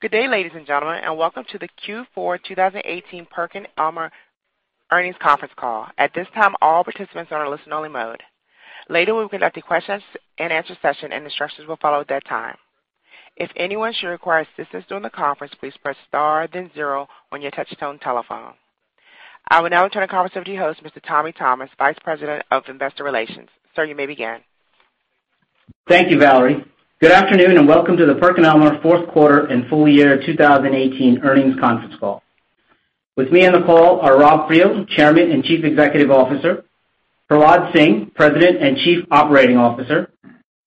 Good day, ladies and gentlemen, welcome to the Q4 2018 PerkinElmer Earnings Conference Call. At this time, all participants are in listen only mode. Later, we'll conduct a questions and answer session, instructions will follow at that time. If anyone should require assistance during the conference, please press star then zero on your touchtone telephone. I will now turn the conference over to your host, Mr. Tommy Thomas, Vice President of Investor Relations. Sir, you may begin. Thank you, Valerie. Good afternoon, welcome to the PerkinElmer fourth quarter and full year 2018 earnings conference call. With me on the call are Rob Friel, Chairman and Chief Executive Officer, Prahlad Singh, President and Chief Operating Officer,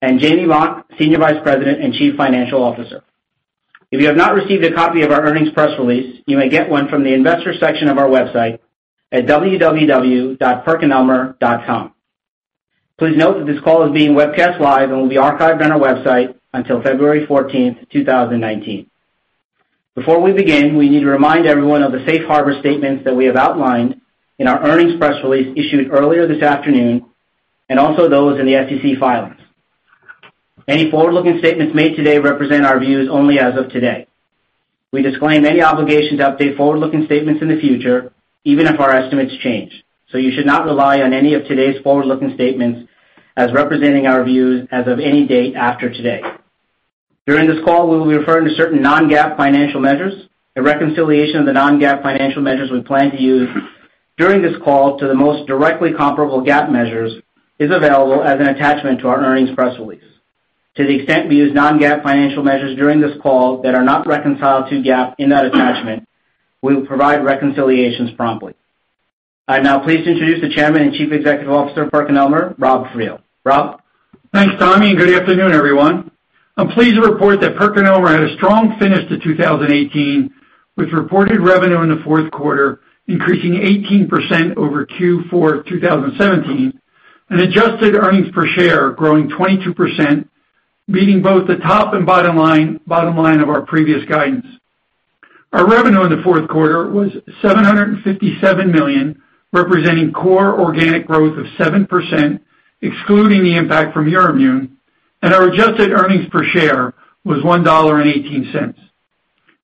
Jamey Mock, Senior Vice President and Chief Financial Officer. If you have not received a copy of our earnings press release, you may get one from the investors section of our website at www.perkinelmer.com. Please note that this call is being webcast live and will be archived on our website until February 14th, 2019. Before we begin, we need to remind everyone of the safe harbor statements that we have outlined in our earnings press release issued earlier this afternoon, also those in the SEC filings. Any forward-looking statements made today represent our views only as of today. We disclaim any obligation to update forward-looking statements in the future, even if our estimates change. You should not rely on any of today's forward-looking statements as representing our views as of any date after today. During this call, we will be referring to certain non-GAAP financial measures. A reconciliation of the non-GAAP financial measures we plan to use during this call to the most directly comparable GAAP measures is available as an attachment to our earnings press release. To the extent we use non-GAAP financial measures during this call that are not reconciled to GAAP in that attachment, we will provide reconciliations promptly. I'm now pleased to introduce the Chairman and Chief Executive Officer of PerkinElmer, Rob Friel. Rob? Thanks, Tommy, good afternoon, everyone. I'm pleased to report that PerkinElmer had a strong finish to 2018, with reported revenue in the fourth quarter increasing 18% over Q4 2017, adjusted earnings per share growing 22%, beating both the top and bottom line of our previous guidance. Our revenue in the fourth quarter was $757 million, representing core organic growth of 7%, excluding the impact from EUROIMMUN, our adjusted earnings per share was $1.18.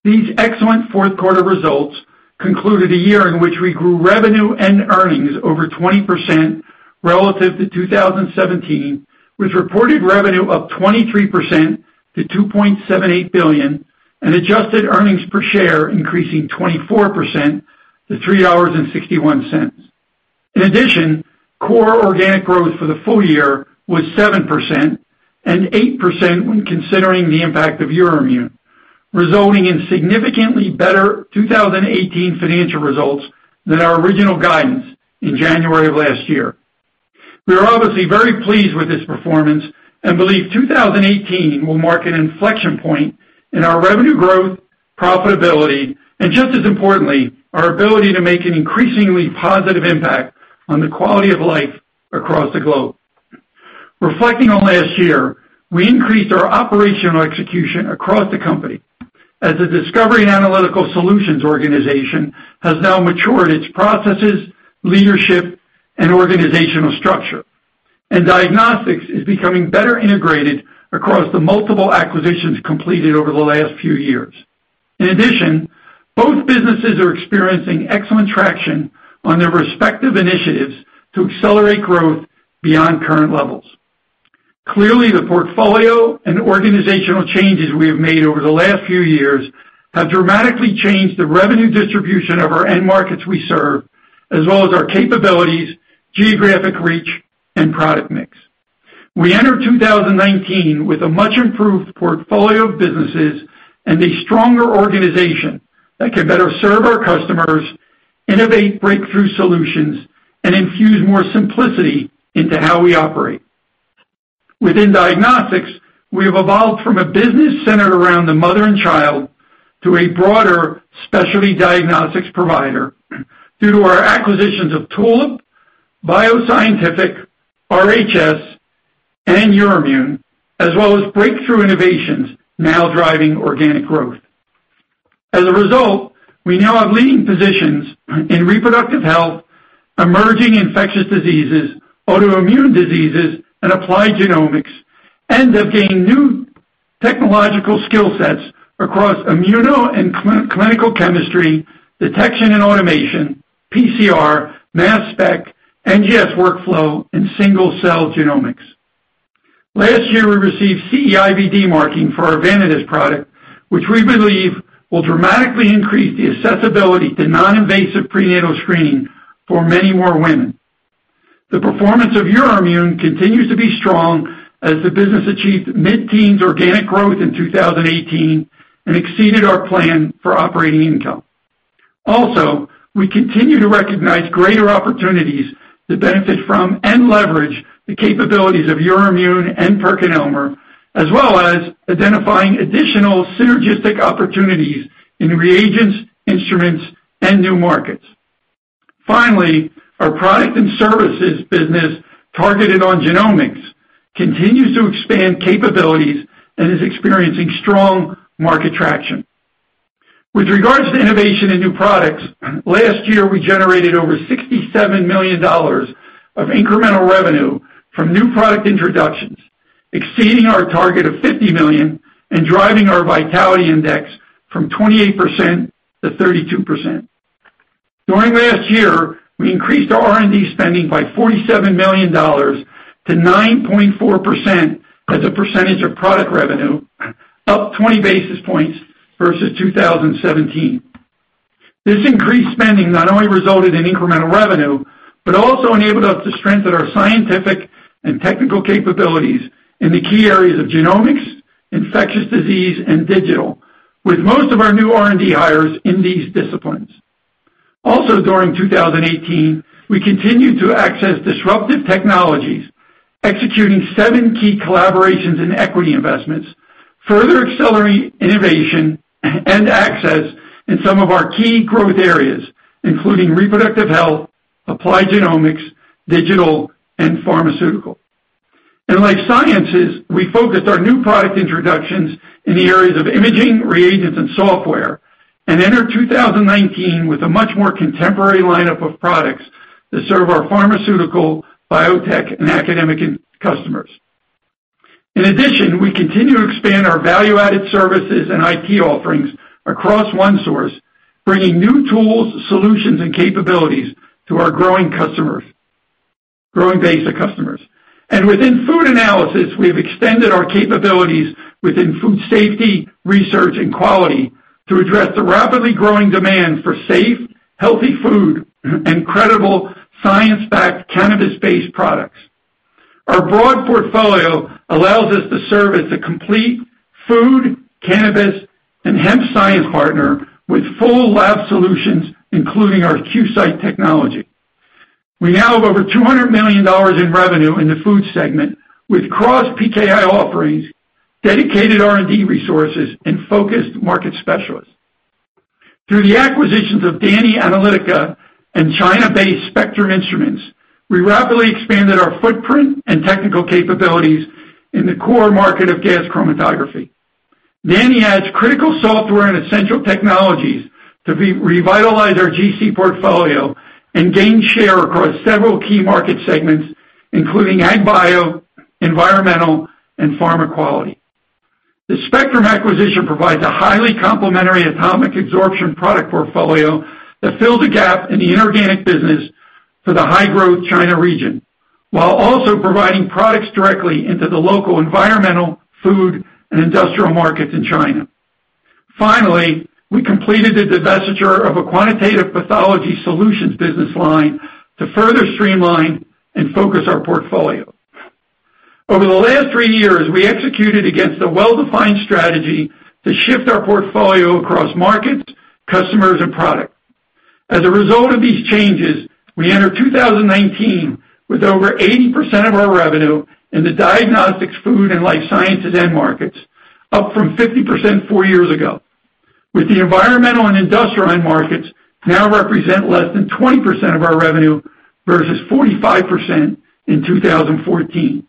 These excellent fourth-quarter results concluded a year in which we grew revenue and earnings over 20% relative to 2017, with reported revenue up 23% to $2.78 billion adjusted earnings per share increasing 24% to $3.61. In addition, core organic growth for the full year was 7%, 8% when considering the impact of EUROIMMUN, resulting in significantly better 2018 financial results than our original guidance in January of last year. We are obviously very pleased with this performance and believe 2018 will mark an inflection point in our revenue growth, profitability, and just as importantly, our ability to make an increasingly positive impact on the quality of life across the globe. Reflecting on last year, we increased our operational execution across the company as the Discovery and Analytical Solutions organization has now matured its processes, leadership, and organizational structure, and Diagnostics is becoming better integrated across the multiple acquisitions completed over the last few years. In addition, both businesses are experiencing excellent traction on their respective initiatives to accelerate growth beyond current levels. Clearly, the portfolio and organizational changes we have made over the last few years have dramatically changed the revenue distribution of our end markets we serve, as well as our capabilities, geographic reach, and product mix. We enter 2019 with a much-improved portfolio of businesses and a stronger organization that can better serve our customers, innovate breakthrough solutions, and infuse more simplicity into how we operate. Within Diagnostics, we have evolved from a business centered around the mother and child to a broader specialty diagnostics provider due to our acquisitions of Tulip, Bioo Scientific, RHS, and EUROIMMUN, as well as breakthrough innovations now driving organic growth. As a result, we now have leading positions in reproductive health, emerging infectious diseases, autoimmune diseases, and applied genomics, and have gained new technological skill sets across immuno and clinical chemistry, detection and automation, PCR, mass spec, NGS workflow, and single-cell genomics. Last year, we received CE-IVD marking for our Amethyst product, which we believe will dramatically increase the accessibility to non-invasive prenatal screening for many more women. The performance of EUROIMMUN continues to be strong as the business achieved mid-teens organic growth in 2018 and exceeded our plan for operating income. We continue to recognize greater opportunities to benefit from and leverage the capabilities of EUROIMMUN and PerkinElmer, as well as identifying additional synergistic opportunities in reagents, instruments, and new markets. Our product and services business targeted on genomics continues to expand capabilities and is experiencing strong market traction. With regards to innovation and new products, last year, we generated over $67 million of incremental revenue from new product introductions, exceeding our target of $50 million and driving our vitality index from 28% to 32%. During last year, we increased our R&D spending by $47 million to 9.4% as a percentage of product revenue, up 20 basis points versus 2017. This increased spending not only resulted in incremental revenue but also enabled us to strengthen our scientific and technical capabilities in the key areas of genomics, infectious disease, and digital, with most of our new R&D hires in these disciplines. During 2018, we continued to access disruptive technologies, executing seven key collaborations in equity investments, further accelerating innovation and access in some of our key growth areas, including reproductive health, applied genomics, digital, and pharmaceutical. In life sciences, we focused our new product introductions in the areas of imaging, reagents, and software, and entered 2019 with a much more contemporary lineup of products that serve our pharmaceutical, biotech, and academic customers. We continue to expand our value-added services and IT offerings across OneSource, bringing new tools, solutions, and capabilities to our growing base of customers. Within food analysis, we have extended our capabilities within food safety, research, and quality to address the rapidly growing demand for safe, healthy food, and credible science-backed cannabis-based products. Our broad portfolio allows us to serve as a complete food, cannabis, and hemp science partner with full lab solutions, including our QSight technology. We now have over $200 million in revenue in the food segment with cross PKI offerings, dedicated R&D resources, and focused market specialists. Through the acquisitions of DANI Analitica and China-based Spectrum Instruments, we rapidly expanded our footprint and technical capabilities in the core market of gas chromatography. Dani adds critical software and essential technologies to revitalize our GC portfolio and gain share across several key market segments, including ag bio, environmental, and pharma quality. The Spectrum acquisition provides a highly complementary atomic absorption product portfolio that filled a gap in the inorganic business for the high-growth China region, while also providing products directly into the local environmental, food, and industrial markets in China. Finally, we completed the divestiture of a Quantitative Pathology Solutions business line to further streamline and focus our portfolio. Over the last three years, we executed against a well-defined strategy to shift our portfolio across markets, customers, and products. As a result of these changes, we enter 2019 with over 80% of our revenue in the diagnostics, food, and life sciences end markets, up from 50% four years ago, with the environmental and industrial end markets now represent less than 20% of our revenue versus 45% in 2014.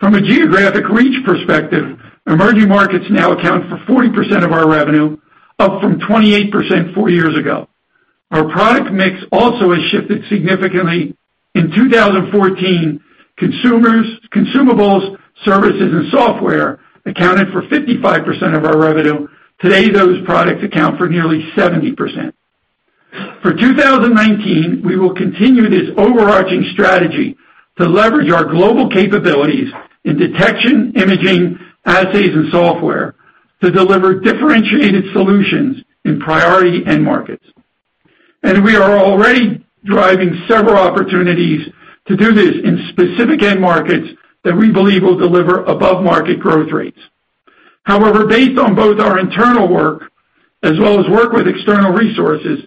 From a geographic reach perspective, emerging markets now account for 40% of our revenue, up from 28% four years ago. Our product mix also has shifted significantly. In 2014, consumables, services, and software accounted for 55% of our revenue. Today, those products account for nearly 70%. For 2019, we will continue this overarching strategy to leverage our global capabilities in detection, imaging, assays, and software to deliver differentiated solutions in priority end markets. We are already driving several opportunities to do this in specific end markets that we believe will deliver above-market growth rates. However, based on both our internal work as well as work with external resources,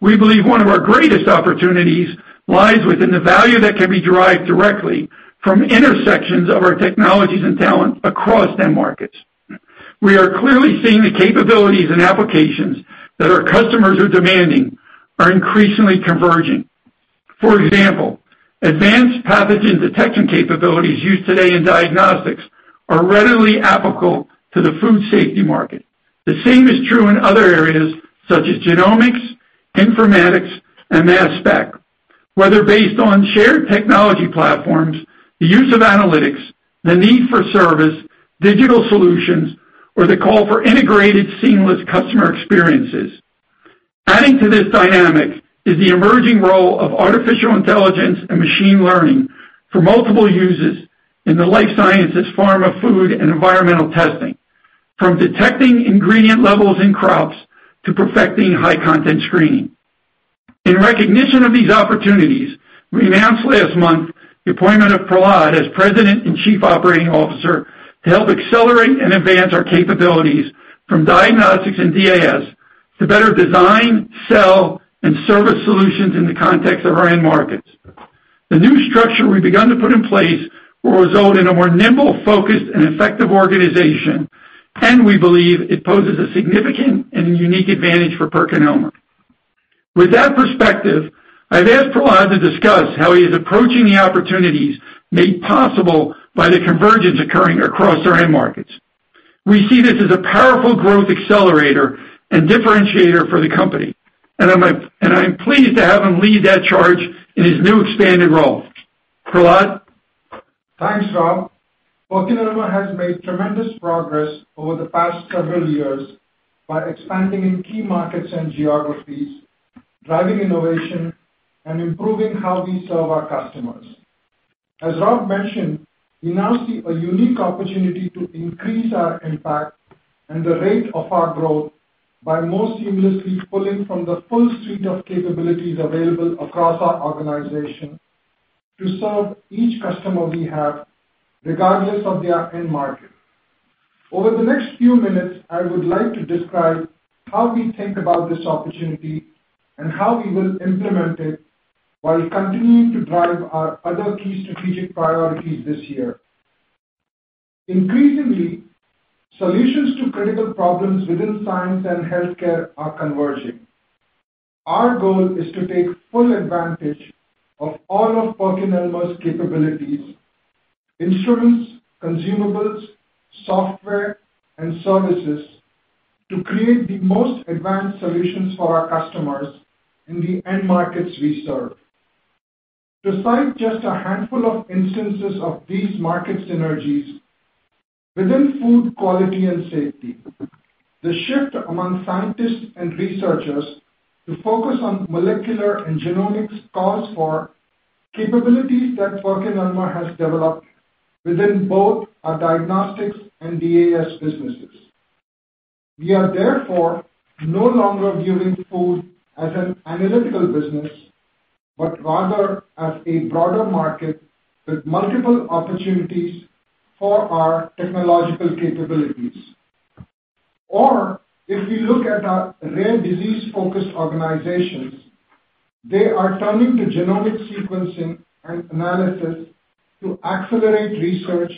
we believe one of our greatest opportunities lies within the value that can be derived directly from intersections of our technologies and talent across end markets. We are clearly seeing the capabilities and applications that our customers are demanding are increasingly converging. For example, advanced pathogen detection capabilities used today in diagnostics are readily applicable to the food safety market. The same is true in other areas such as genomics, informatics, and mass spec, whether based on shared technology platforms, the use of analytics, the need for service, digital solutions, or the call for integrated seamless customer experiences. Adding to this dynamic is the emerging role of artificial intelligence and machine learning for multiple uses in the life sciences, pharma, food, and environmental testing, from detecting ingredient levels in crops to perfecting high-content screening. In recognition of these opportunities, we announced last month the appointment of Prahlad as President and Chief Operating Officer to help accelerate and advance our capabilities from diagnostics and DAS to better design, sell, and service solutions in the context of our end markets. The new structure we've begun to put in place will result in a more nimble, focused, and effective organization. We believe it poses a significant and unique advantage for PerkinElmer. With that perspective, I've asked Prahlad to discuss how he is approaching the opportunities made possible by the convergence occurring across our end markets. We see this as a powerful growth accelerator and differentiator for the company. I'm pleased to have him lead that charge in his new expanded role. Prahlad? Thanks, Rob. PerkinElmer has made tremendous progress over the past several years by expanding in key markets and geographies, driving innovation, and improving how we serve our customers. As Rob mentioned, we now see a unique opportunity to increase our impact and the rate of our growth by more seamlessly pulling from the full suite of capabilities available across our organization to serve each customer we have, regardless of their end market. Over the next few minutes, I would like to describe how we think about this opportunity and how we will implement it while continuing to drive our other key strategic priorities this year. Increasingly, solutions to critical problems within science and healthcare are converging. Our goal is to take full advantage of all of PerkinElmer's capabilities, instruments, consumables, software, and services, to create the most advanced solutions for our customers in the end markets we serve. To cite just a handful of instances of these market synergies, within food quality and safety, the shift among scientists and researchers to focus on molecular and genomics calls for capabilities that PerkinElmer has developed within both our diagnostics and DAS businesses. We are therefore no longer viewing food as an analytical business, but rather as a broader market with multiple opportunities for our technological capabilities. If we look at our rare disease-focused organizations, they are turning to genomic sequencing and analysis to accelerate research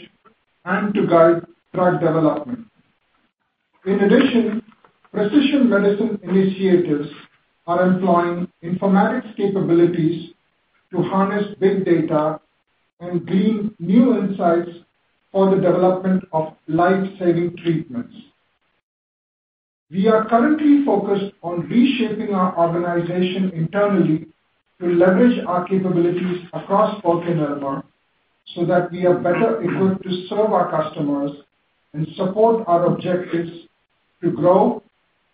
and to guide drug development. In addition, precision medicine initiators are employing informatics capabilities to harness big data and glean new insights for the development of life-saving treatments. We are currently focused on reshaping our organization internally to leverage our capabilities across PerkinElmer so that we are better equipped to serve our customers and support our objectives to grow,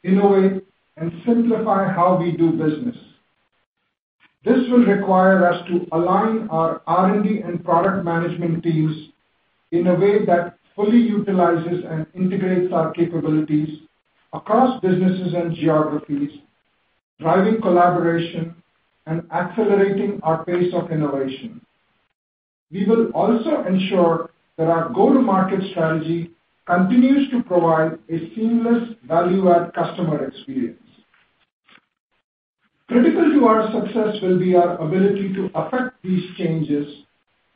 innovate, and simplify how we do business. This will require us to align our R&D and product management teams in a way that fully utilizes and integrates our capabilities across businesses and geographies, driving collaboration and accelerating our pace of innovation. We will also ensure that our go-to-market strategy continues to provide a seamless value-add customer experience. Critical to our success will be our ability to effect these changes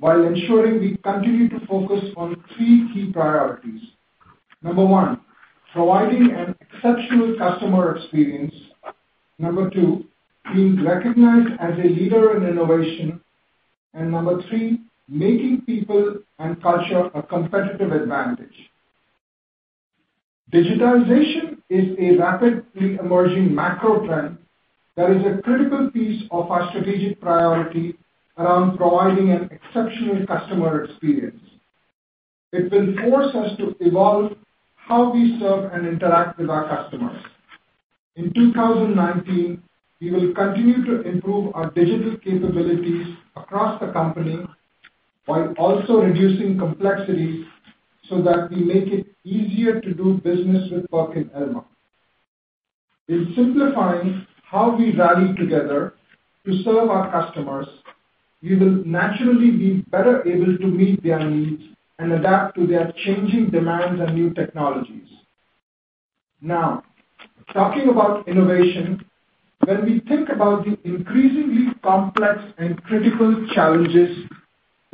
while ensuring we continue to focus on three key priorities. Number one, providing an exceptional customer experience. Number two, being recognized as a leader in innovation. Number three, making people and culture a competitive advantage. Digitalization is a rapidly emerging macro trend that is a critical piece of our strategic priority around providing an exceptional customer experience. It will force us to evolve how we serve and interact with our customers. In 2019, we will continue to improve our digital capabilities across the company while also reducing complexities so that we make it easier to do business with PerkinElmer. In simplifying how we rally together to serve our customers, we will naturally be better able to meet their needs and adapt to their changing demands and new technologies. Talking about innovation, when we think about the increasingly complex and critical challenges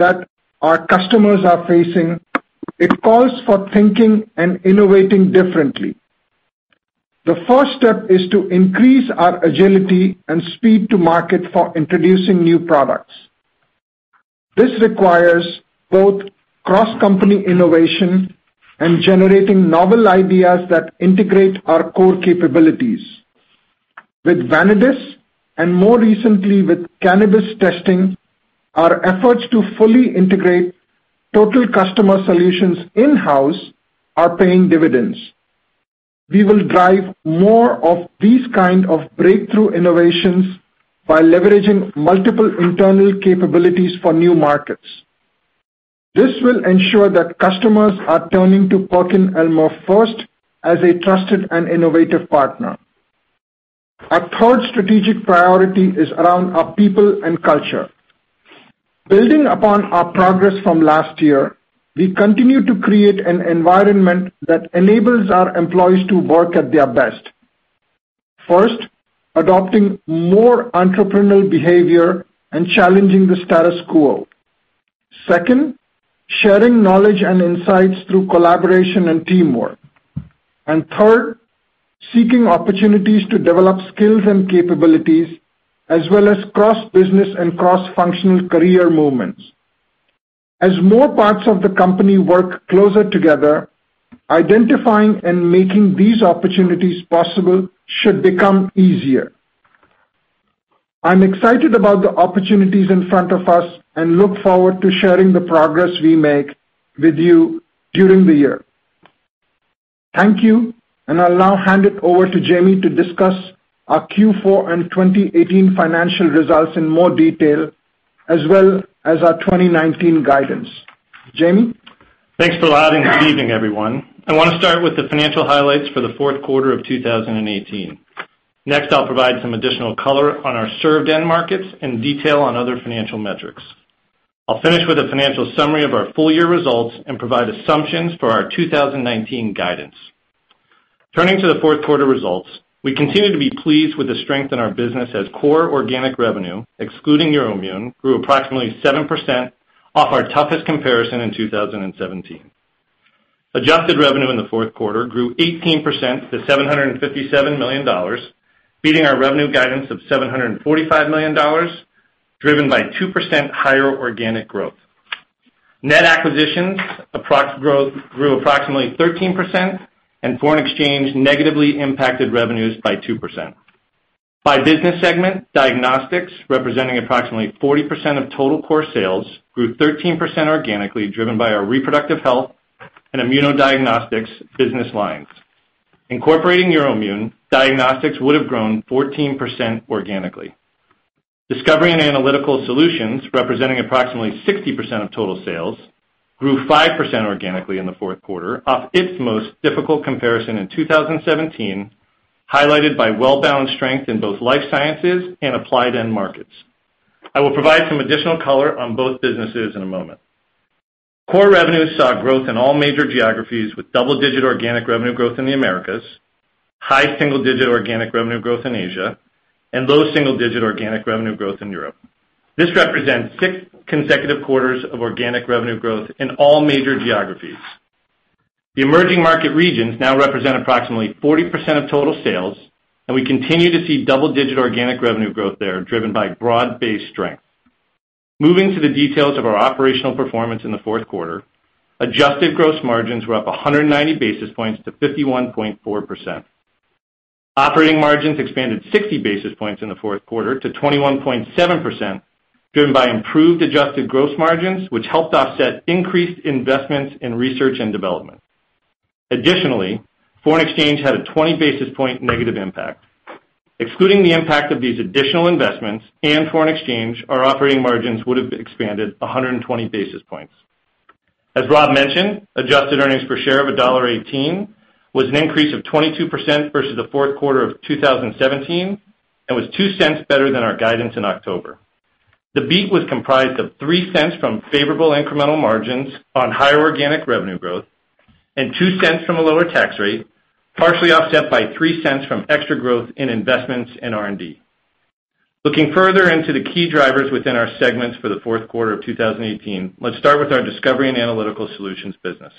that our customers are facing, it calls for thinking and innovating differently. The first step is to increase our agility and speed to market for introducing new products. This requires both cross-company innovation and generating novel ideas that integrate our core capabilities. With Vanadis, and more recently with cannabis testing, our efforts to fully integrate total customer solutions in-house are paying dividends. We will drive more of these kind of breakthrough innovations by leveraging multiple internal capabilities for new markets. This will ensure that customers are turning to PerkinElmer first as a trusted and innovative partner. Our third strategic priority is around our people and culture. Building upon our progress from last year, we continue to create an environment that enables our employees to work at their best. First, adopting more entrepreneurial behavior and challenging the status quo. Second, sharing knowledge and insights through collaboration and teamwork. Third, seeking opportunities to develop skills and capabilities, as well as cross-business and cross-functional career movements. As more parts of the company work closer together, identifying and making these opportunities possible should become easier. I'm excited about the opportunities in front of us and look forward to sharing the progress we make with you during the year. Thank you, and I'll now hand it over to Jamey to discuss our Q4 and 2018 financial results in more detail, as well as our 2019 guidance. Jamey? Thanks, Prahlad, and good evening, everyone. I want to start with the financial highlights for the fourth quarter of 2018. Next, I'll provide some additional color on our served end markets and detail on other financial metrics. I'll finish with a financial summary of our full year results and provide assumptions for our 2019 guidance. Turning to the fourth quarter results, we continue to be pleased with the strength in our business as core organic revenue, excluding EUROIMMUN, grew approximately 7% off our toughest comparison in 2017. Adjusted revenue in the fourth quarter grew 18% to $757 million, beating our revenue guidance of $745 million, driven by 2% higher organic growth. Net acquisitions grew approximately 13%, and foreign exchange negatively impacted revenues by 2%. By business segment, diagnostics, representing approximately 40% of total core sales, grew 13% organically, driven by our reproductive health and immunodiagnostics business lines. Incorporating EUROIMMUN, diagnostics would've grown 14% organically. Discovery and analytical solutions, representing approximately 60% of total sales, grew 5% organically in the fourth quarter off its most difficult comparison in 2017, highlighted by well-balanced strength in both life sciences and applied end markets. I will provide some additional color on both businesses in a moment. Core revenues saw growth in all major geographies, with double-digit organic revenue growth in the Americas, high single-digit organic revenue growth in Asia, and low single-digit organic revenue growth in Europe. This represents six consecutive quarters of organic revenue growth in all major geographies. The emerging market regions now represent approximately 40% of total sales, and we continue to see double-digit organic revenue growth there, driven by broad-based strength. Moving to the details of our operational performance in the fourth quarter, adjusted gross margins were up 190 basis points to 51.4%. Operating margins expanded 60 basis points in the fourth quarter to 21.7%, driven by improved adjusted gross margins, which helped offset increased investments in research and development. Additionally, foreign exchange had a 20 basis point negative impact. Excluding the impact of these additional investments and foreign exchange, our operating margins would've expanded 120 basis points. As Rob mentioned, adjusted earnings per share of $1.18 was an increase of 22% versus the fourth quarter of 2017 and was $0.02 better than our guidance in October. The beat was comprised of $0.03 from favorable incremental margins on higher organic revenue growth and $0.02 from a lower tax rate, partially offset by $0.03 from extra growth in investments in R&D. Looking further into the key drivers within our segments for the fourth quarter of 2018, let's start with our discovery and analytical solutions business.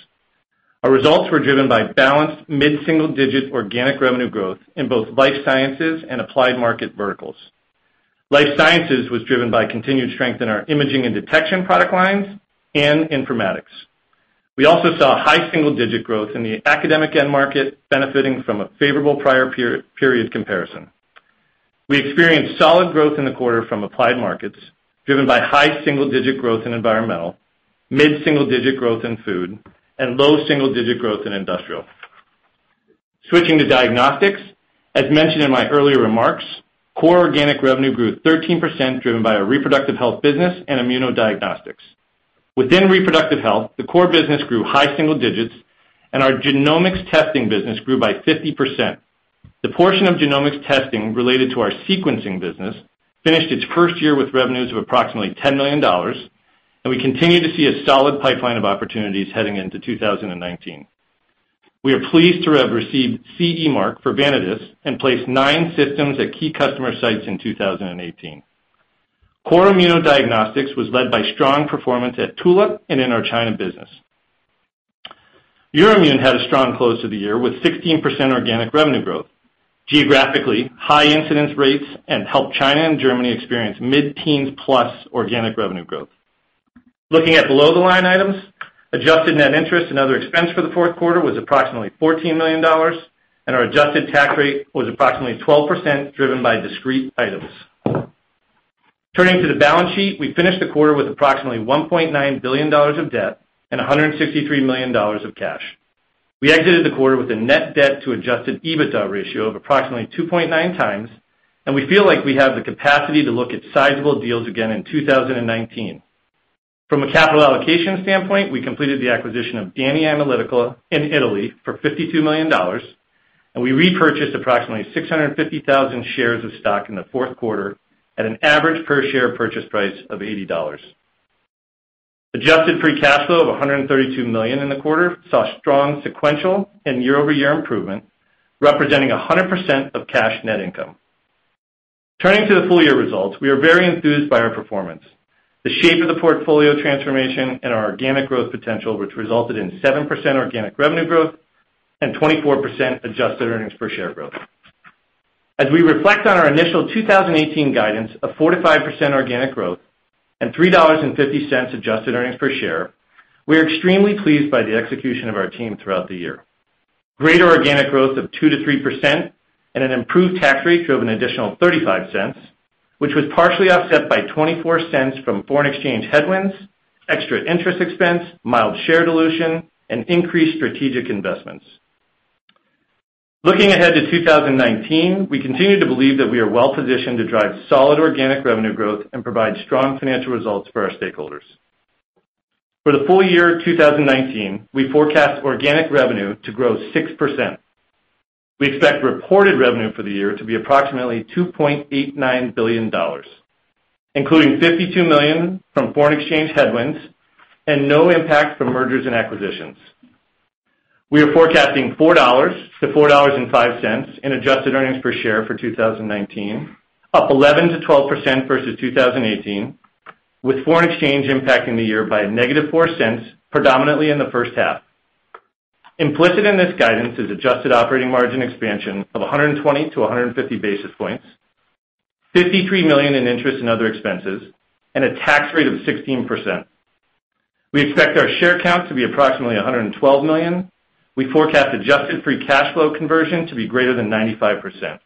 Our results were driven by balanced mid-single-digit organic revenue growth in both life sciences and applied market verticals. Life sciences was driven by continued strength in our imaging and detection product lines and informatics. We also saw high single-digit growth in the academic end market, benefiting from a favorable prior period comparison. We experienced solid growth in the quarter from applied markets, driven by high single-digit growth in environmental, mid-single-digit growth in food, and low single-digit growth in industrial. Switching to diagnostics, as mentioned in my earlier remarks, core organic revenue grew 13%, driven by our reproductive health business and immunodiagnostics. Within reproductive health, the core business grew high single digits, and our genomics testing business grew by 50%. The portion of genomics testing related to our sequencing business finished its first year with revenues of approximately $10 million, and we continue to see a solid pipeline of opportunities heading into 2019. We are pleased to have received CE mark for Vanadis and placed nine systems at key customer sites in 2018. Core immunodiagnostics was led by strong performance at Tulip and in our China business. EUROIMMUN had a strong close to the year, with 16% organic revenue growth. Geographically, high incidence rates helped China and Germany experience mid-teens plus organic revenue growth. Looking at below the line items, adjusted net interest and other expense for the fourth quarter was approximately $14 million, and our adjusted tax rate was approximately 12%, driven by discrete items. Turning to the balance sheet, we finished the quarter with approximately $1.9 billion of debt and $163 million of cash. We exited the quarter with a net debt to adjusted EBITDA ratio of approximately 2.9x, and we feel like we have the capacity to look at sizable deals again in 2019. From a capital allocation standpoint, we completed the acquisition of DANI Analitica in Italy for $52 million, and we repurchased approximately 650,000 shares of stock in the fourth quarter at an average per share purchase price of $80. Adjusted free cash flow of $132 million in the quarter saw strong sequential and year-over-year improvement, representing 100% of cash net income. Turning to the full year results, we are very enthused by our performance, the shape of the portfolio transformation, and our organic growth potential, which resulted in 7% organic revenue growth and 24% adjusted earnings per share growth. As we reflect on our initial 2018 guidance of 45% organic growth and $3.50 adjusted earnings per share, we are extremely pleased by the execution of our team throughout the year. Greater organic growth of 2%-3% and an improved tax rate drove an additional $0.35, which was partially offset by $0.24 from foreign exchange headwinds, extra interest expense, mild share dilution, and increased strategic investments. Looking ahead to 2019, we continue to believe that we are well-positioned to drive solid organic revenue growth and provide strong financial results for our stakeholders. For the full year 2019, we forecast organic revenue to grow 6%. We expect reported revenue for the year to be approximately $2.89 billion, including $52 million from foreign exchange headwinds and no impact from mergers and acquisitions. We are forecasting $4-$4.05 in adjusted earnings per share for 2019, up 11%-12% versus 2018, with foreign exchange impacting the year by a negative $0.04 predominantly in the first half. Implicit in this guidance is adjusted operating margin expansion of 120-150 basis points, $53 million in interest and other expenses, and a tax rate of 16%. We expect our share count to be approximately 112 million. We forecast adjusted free cash flow conversion to be greater than 95%.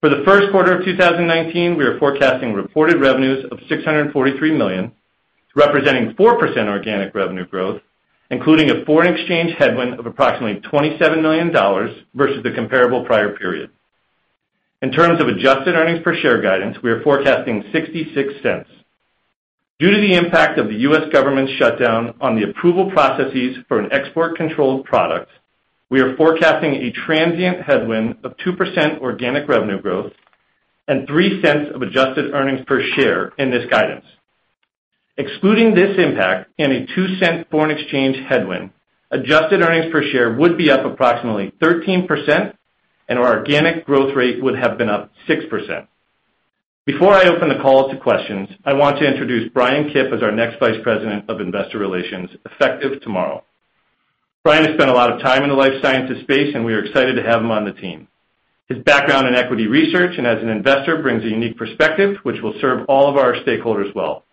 For the first quarter of 2019, we are forecasting reported revenues of $643 million, representing 4% organic revenue growth, including a foreign exchange headwind of approximately $27 million versus the comparable prior period. In terms of adjusted earnings per share guidance, we are forecasting $0.66. Due to the impact of the U.S. government shutdown on the approval processes for an export-controlled product, we are forecasting a transient headwind of 2% organic revenue growth and $0.03 of adjusted earnings per share in this guidance. Excluding this impact and a $0.02 foreign exchange headwind, adjusted earnings per share would be up approximately 13%, and our organic growth rate would have been up 6%. Before I open the call to questions, I want to introduce Bryan Kipp as our next Vice President of Investor Relations effective tomorrow. Bryan has spent a lot of time in the life sciences space, and we are excited to have him on the team. His background in equity research and as an investor brings a unique perspective, which will serve all of our stakeholders well.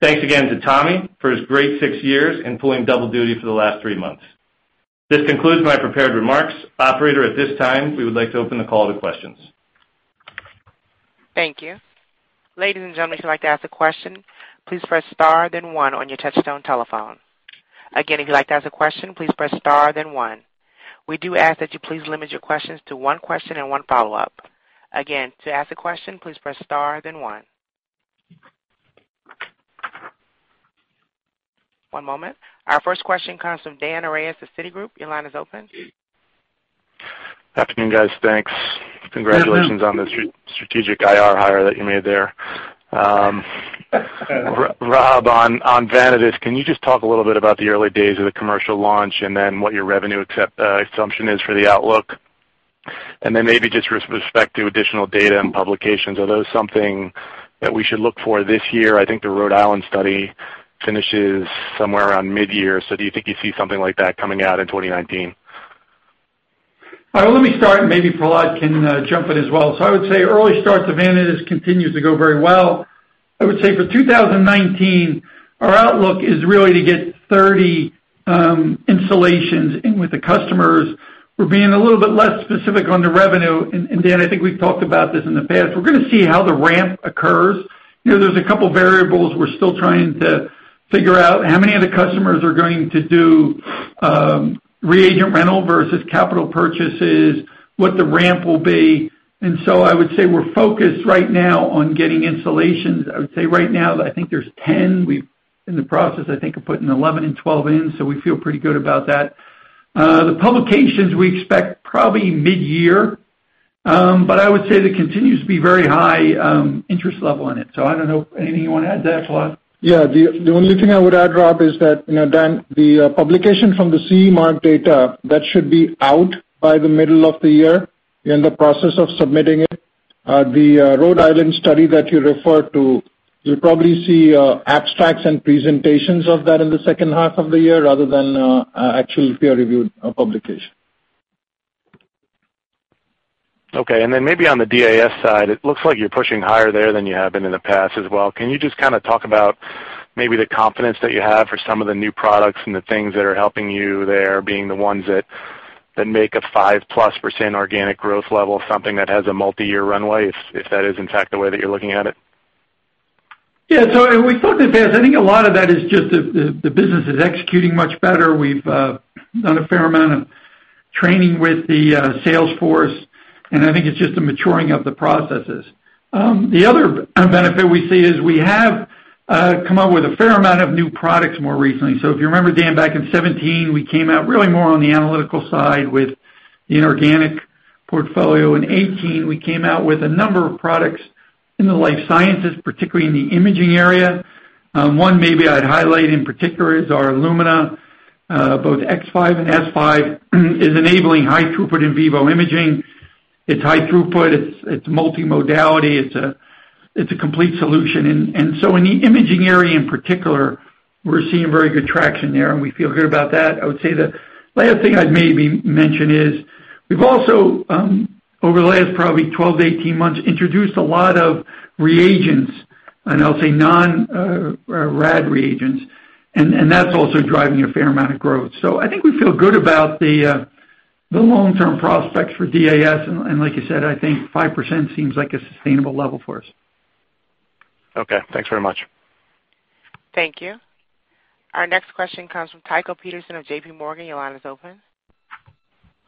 Thanks again to Tommy for his great six years and pulling double duty for the last three months. This concludes my prepared remarks. Operator, at this time, we would like to open the call to questions. Thank you. Ladies and gentlemen, if you'd like to ask a question, please press star then one on your touchtone telephone. Again, if you'd like to ask a question, please press star then one. We do ask that you please limit your questions to one question and one follow-up. Again, to ask a question, please press star then one. One moment. Our first question comes from Dan Horejsi, Citigroup. Your line is open. Afternoon, guys. Thanks. Congratulations on the strategic IR hire that you made there. Rob, on Vanadis, can you just talk a little bit about the early days of the commercial launch and then what your revenue assumption is for the outlook? Maybe just with respect to additional data and publications, are those something that we should look for this year? I think the Rhode Island study finishes somewhere around mid-year. Do you think you'd see something like that coming out in 2019? Let me start, maybe Prahlad can jump in as well. I would say early starts of Vanadis continues to go very well. I would say for 2019, our outlook is really to get 30 installations in with the customers. We're being a little bit less specific on the revenue. Dan, I think we've talked about this in the past. We're going to see how the ramp occurs. There's a couple of variables we're still trying to figure out. How many of the customers are going to do reagent rental versus capital purchases, what the ramp will be, I would say we're focused right now on getting installations. I would say right now, I think there's 10. We're in the process, I think, of putting 11 and 12 in, so we feel pretty good about that. The publications we expect probably mid-year. I would say there continues to be very high interest level in it. I don't know, anything you want to add to that, Prahlad? Yeah. The only thing I would add, Rob, is that, Dan, the publication from the CE mark data, that should be out by the middle of the year. We're in the process of submitting it. The Rhode Island study that you referred to, you'll probably see abstracts and presentations of that in the second half of the year rather than an actual peer-reviewed publication. Okay. Maybe on the DAS side, it looks like you're pushing higher there than you have been in the past as well. Can you just talk about maybe the confidence that you have for some of the new products and the things that are helping you there being the ones that make a 5%+ organic growth level something that has a multi-year runway if that is in fact the way that you're looking at it? Yeah. We thought that, Dan. I think a lot of that is just the business is executing much better. We've done a fair amount of training with the sales force, and I think it's just the maturing of the processes. The other benefit we see is we have come up with a fair amount of new products more recently. If you remember, Dan, back in 2017, we came out really more on the analytical side with the inorganic portfolio. In 2018, we came out with a number of products in the life sciences, particularly in the imaging area. One maybe I'd highlight in particular is our Illumina Both X5 and S5 is enabling high throughput in vivo imaging. It's high throughput, it's multimodality, it's a complete solution. In the imaging area in particular, we're seeing very good traction there, and we feel good about that. I would say the last thing I'd maybe mention is, we've also, over the last probably 12-18 months, introduced a lot of reagents, and I'll say non-RAD reagents, and that's also driving a fair amount of growth. I think we feel good about the long-term prospects for DAS, and like you said, I think 5% seems like a sustainable level for us. Okay, thanks very much. Thank you. Our next question comes from Tycho Peterson of JPMorgan. Your line is open.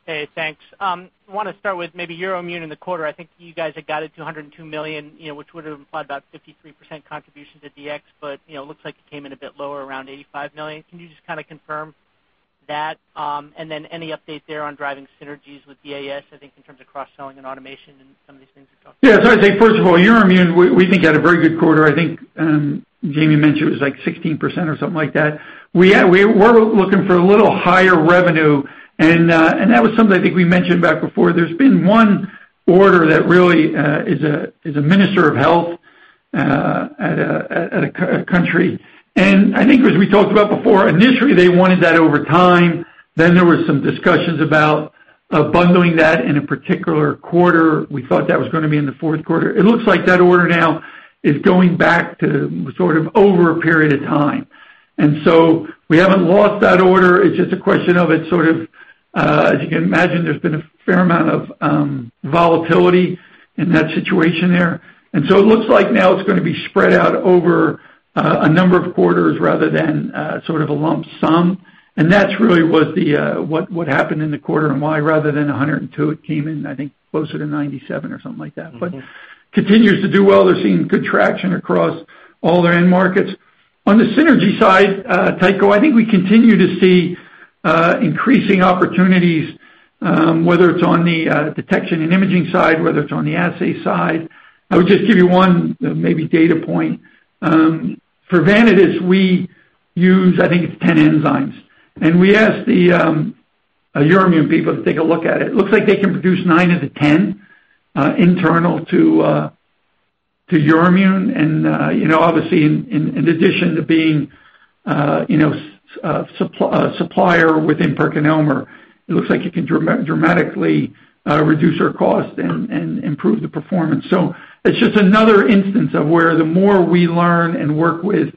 Hey, thanks. I want to start with maybe EUROIMMUN in the quarter. I think you guys had guided to $102 million, which would have implied about 53% contribution to DX, but it looks like it came in a bit lower, around $85 million. Can you just confirm that? Any update there on driving synergies with DAS, I think in terms of cross-selling and automation and some of these things you're talking about? Yeah. I'd say, first of all, EUROIMMUN, we think, had a very good quarter. I think Jamey mentioned it was like 16% or something like that. We're looking for a little higher revenue, that was something I think we mentioned back before. There's been one order that really is a minister of health at a country. I think as we talked about before, initially they wanted that over time. Then there was some discussions about bundling that in a particular quarter. We thought that was going to be in the fourth quarter. It looks like that order now is going back to sort of over a period of time. We haven't lost that order. It's just a question of it sort of, as you can imagine, there's been a fair amount of volatility in that situation there. It looks like now it's going to be spread out over a number of quarters rather than sort of a lump sum. That's really what happened in the quarter and why rather than 102, it came in, I think, closer to 97 or something like that. Continues to do well. They're seeing good traction across all their end markets. On the synergy side, Tycho, I think we continue to see increasing opportunities, whether it's on the detection and imaging side, whether it's on the assay side. I would just give you one maybe data point. For Vanadis, we use, I think it's 10 enzymes. We asked the EUROIMMUN people to take a look at it. Looks like they can produce nine out of 10 internal to EUROIMMUN, and obviously in addition to being a supplier within PerkinElmer, it looks like it can dramatically reduce our cost and improve the performance. It's just another instance of where the more we learn and work with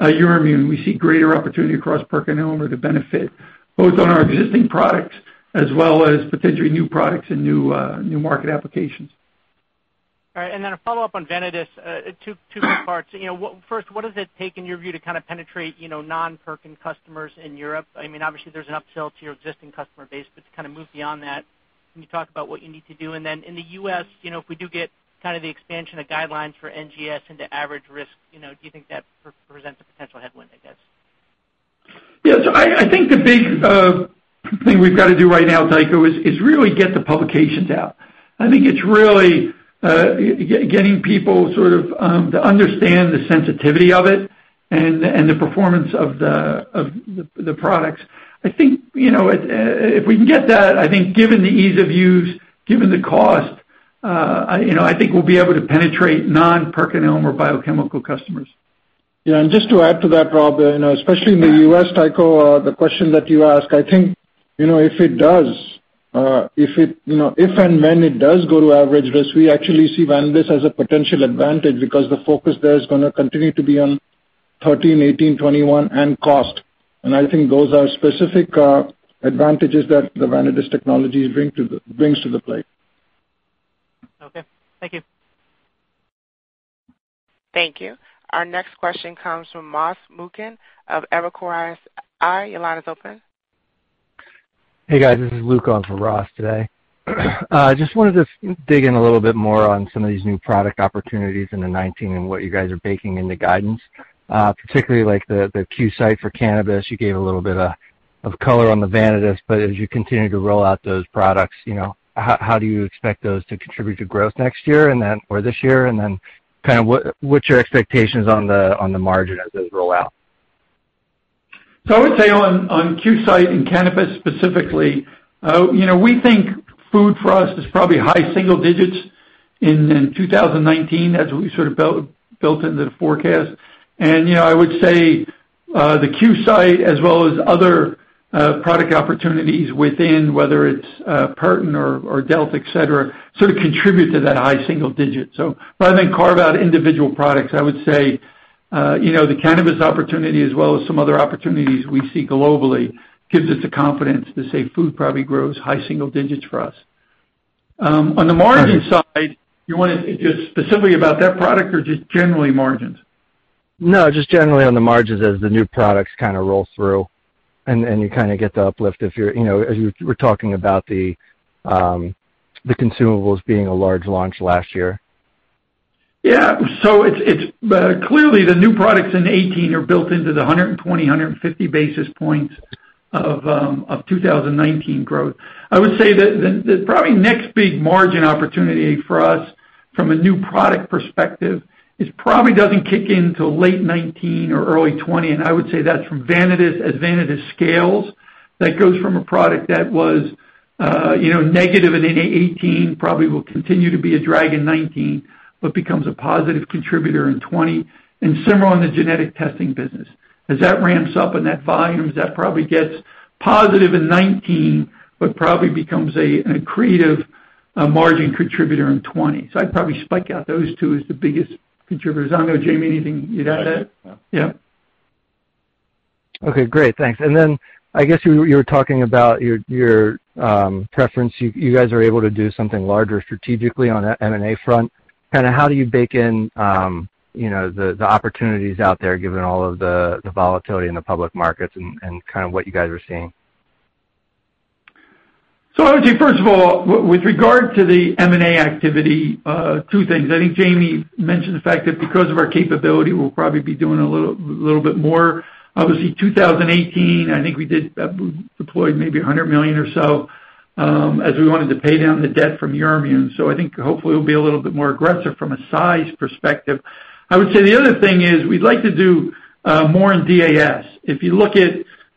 EUROIMMUN, we see greater opportunity across PerkinElmer to benefit both on our existing products as well as potentially new products and new market applications. All right, a follow-up on Vanadis, two quick parts. First, what does it take, in your view, to kind of penetrate non-Perkin customers in Europe? Obviously, there's an upsell to your existing customer base, but to kind of move beyond that. Can you talk about what you need to do? In the U.S., if we do get the expansion of guidelines for NGS into average risk, do you think that presents a potential headwind, I guess? I think the big thing we've got to do right now, Tycho, is really get the publications out. I think it's really getting people to understand the sensitivity of it and the performance of the products. I think if we can get that, I think given the ease of use, given the cost, I think we'll be able to penetrate non-PerkinElmer biochemical customers. Just to add to that, Rob, especially in the U.S., Tycho, the question that you ask, I think, if and when it does go to average risk, we actually see Vanadis as a potential advantage because the focus there is going to continue to be on 13, 18, 21, and cost. I think those are specific advantages that the Vanadis technology brings to the plate. Thank you. Thank you. Our next question comes from Ross Muken of Evercore ISI. Your line is open. Hey, guys. This is Luke on for Ross today. Wanted to dig in a little bit more on some of these new product opportunities into 2019, what you guys are baking into guidance. Particularly like the QSight for cannabis. You gave a little bit of color on the Vanadis, as you continue to roll out those products, how do you expect those to contribute to growth next year or this year, what's your expectations on the margin as those roll out? I would say on QSight and cannabis specifically, we think food for us is probably high single digits in 2019 as we sort of built into the forecast. I would say the QSight as well as other product opportunities within, whether it's Perkin or Delta, et cetera, sort of contribute to that high single digit. If I carve out individual products, I would say, the cannabis opportunity as well as some other opportunities we see globally gives us the confidence to say food probably grows high single digits for us. On the margin side, you want just specifically about that product or just generally margins? No, just generally on the margins as the new products kind of roll through, you kind of get the uplift as you were talking about the consumables being a large launch last year. Yeah. Clearly, the new products in 2018 are built into the 120, 150 basis points of 2019 growth. I would say that probably next big margin opportunity for us from a new product perspective, it probably doesn't kick in till late 2019 or early 2020, I would say that's from Vanadis, as Vanadis scales. That goes from a product that was negative in 2018, probably will continue to be a drag in 2019, becomes a positive contributor in 2020. Similar on the genetic testing business. As that ramps up that volumes, that probably gets positive in 2019, becomes an accretive margin contributor in 2020. I'd probably spike out those two as the biggest contributors. I don't know, Jamey, anything you'd add there? No. Yeah. Okay, great. Thanks. I guess you were talking about your preference. You guys are able to do something larger strategically on that M&A front. How do you bake in the opportunities out there given all of the volatility in the public markets and what you guys are seeing? I would say, first of all, with regard to the M&A activity, two things. I think Jamey mentioned the fact that because of our capability, we'll probably be doing a little bit more. Obviously, 2018, I think we deployed maybe $100 million or so, as we wanted to pay down the debt from EUROIMMUN. I think hopefully we'll be a little bit more aggressive from a size perspective. I would say the other thing is we'd like to do more in DAS. If you look at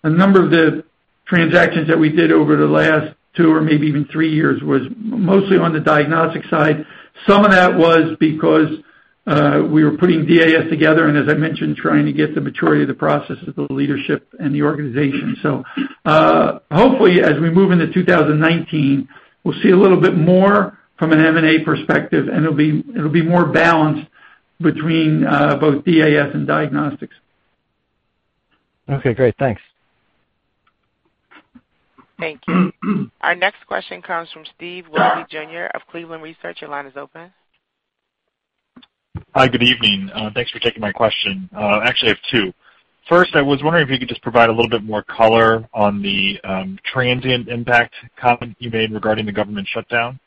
a number of the transactions that we did over the last two or maybe even three years, was mostly on the diagnostic side. Some of that was because we were putting DAS together and as I mentioned, trying to get the maturity of the processes, the leadership, and the organization. Hopefully, as we move into 2019, we'll see a little bit more from an M&A perspective, and it'll be more balanced between both DAS and diagnostics. Okay, great. Thanks. Thank you. Our next question comes from Steve Willoughby Jr. of Cleveland Research. Your line is open. Hi, good evening. Thanks for taking my question. Actually I have two. First, I was wondering if you could just provide a little bit more color on the transient impact comment you made regarding the government shutdown.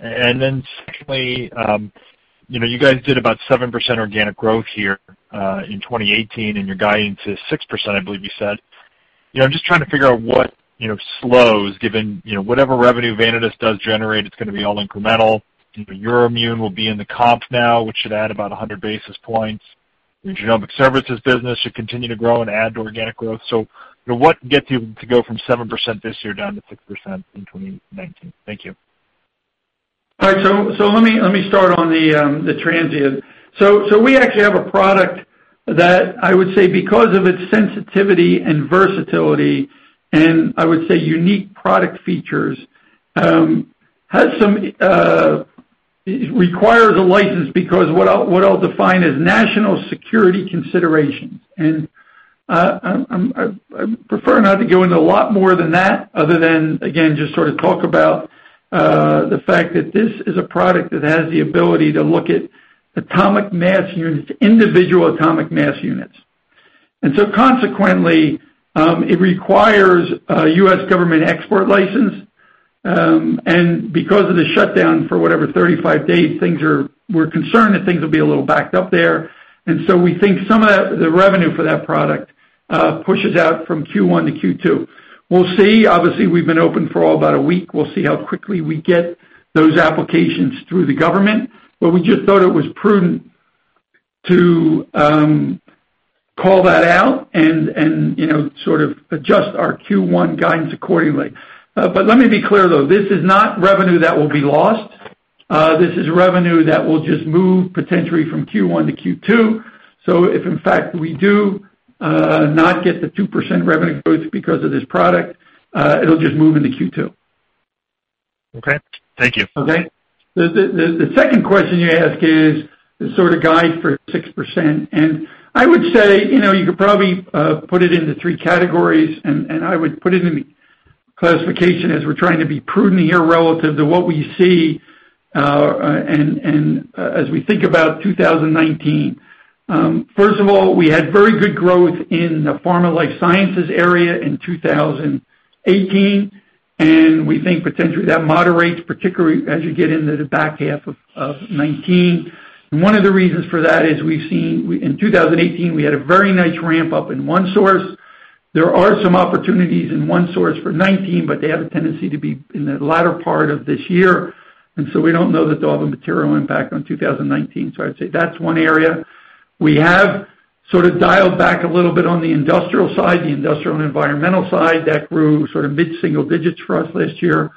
Secondly, you guys did about 7% organic growth here, in 2018, and you're guiding to 6%, I believe you said. I'm just trying to figure out what slows, given whatever revenue Vanadis does generate, it's going to be all incremental. EUROIMMUN will be in the comp now, which should add about 100 basis points. Your genomic services business should continue to grow and add to organic growth. What gets you to go from 7% this year down to 6% in 2019? Thank you. All right. Let me start on the transient. We actually have a product that I would say because of its sensitivity and versatility, and I would say unique product features, requires a license because what I'll define as national security considerations. I'd prefer not to go into a lot more than that other than, again, just sort of talk about the fact that this is a product that has the ability to look at atomic mass units, individual atomic mass units. Consequently, it requires a U.S. government export license, and because of the shutdown for whatever, 35 days, we're concerned that things will be a little backed up there. We think some of the revenue for that product pushes out from Q1 to Q2. We'll see. Obviously, we've been open for about a week. We'll see how quickly we get those applications through the government. We just thought it was prudent to call that out and sort of adjust our Q1 guidance accordingly. Let me be clear, though. This is not revenue that will be lost. This is revenue that will just move potentially from Q1 to Q2. If in fact we do not get the 2% revenue growth because of this product, it'll just move into Q2. Okay. Thank you. Okay. The second question you ask is the sort of guide for 6%. I would say, you could probably put it into three categories. I would put it in the classification as we're trying to be prudent here relative to what we see, as we think about 2019. First of all, we had very good growth in the pharma life sciences area in 2018. We think potentially that moderates, particularly as you get into the back half of 2019. One of the reasons for that is we've seen in 2018, we had a very nice ramp-up in OneSource. There are some opportunities in OneSource for 2019. They have a tendency to be in the latter part of this year. We don't know that they'll have a material impact on 2019. I'd say that's one area. We have sort of dialed back a little bit on the industrial side, the industrial and environmental side. That grew mid-single digits for us last year.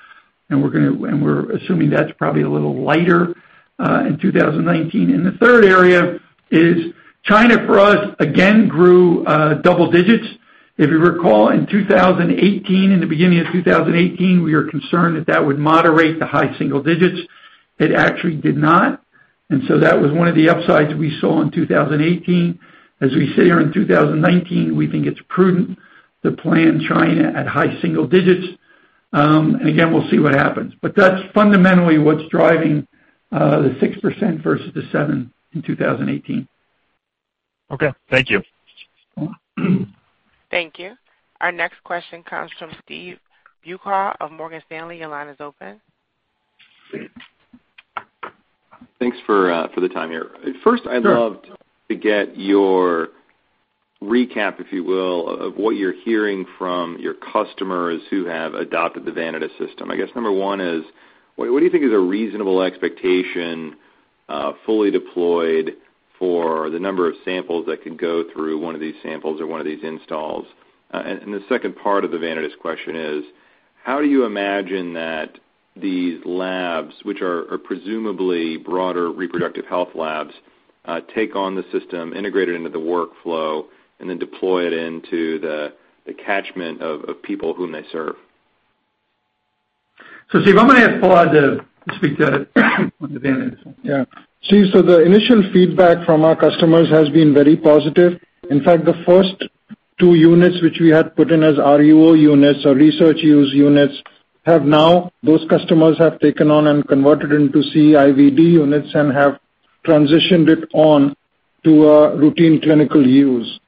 We're assuming that's probably a little lighter in 2019. The third area is China for us, again grew double digits. If you recall, in 2018, in the beginning of 2018, we were concerned that that would moderate to high single digits. It actually did not. That was one of the upsides we saw in 2018. As we sit here in 2019, we think it's prudent to plan China at high single digits. Again, we'll see what happens. That's fundamentally what's driving the 6% versus the 7% in 2018. Okay, thank you. Thank you. Our next question comes from Steve Beuchaw of Morgan Stanley. Your line is open. Thanks for the time here. Sure. First, I'd love to get your recap, if you will, of what you're hearing from your customers who have adopted the Vanadis system. I guess number one is, what do you think is a reasonable expectation, fully deployed, for the number of samples that could go through one of these samples or one of these installs? The second part of the Vanadis question is, how do you imagine that these labs, which are presumably broader reproductive health labs, take on the system, integrate it into the workflow, and then deploy it into the catchment of people whom they serve? Steve, I'm going to ask Prahlad to speak to that on the Vanadis. Steve, the initial feedback from our customers has been very positive. In fact, the first two units, which we had put in as RUO units or research use units, those customers have taken on and converted into CE-IVD units and have transitioned it on to a routine clinical use.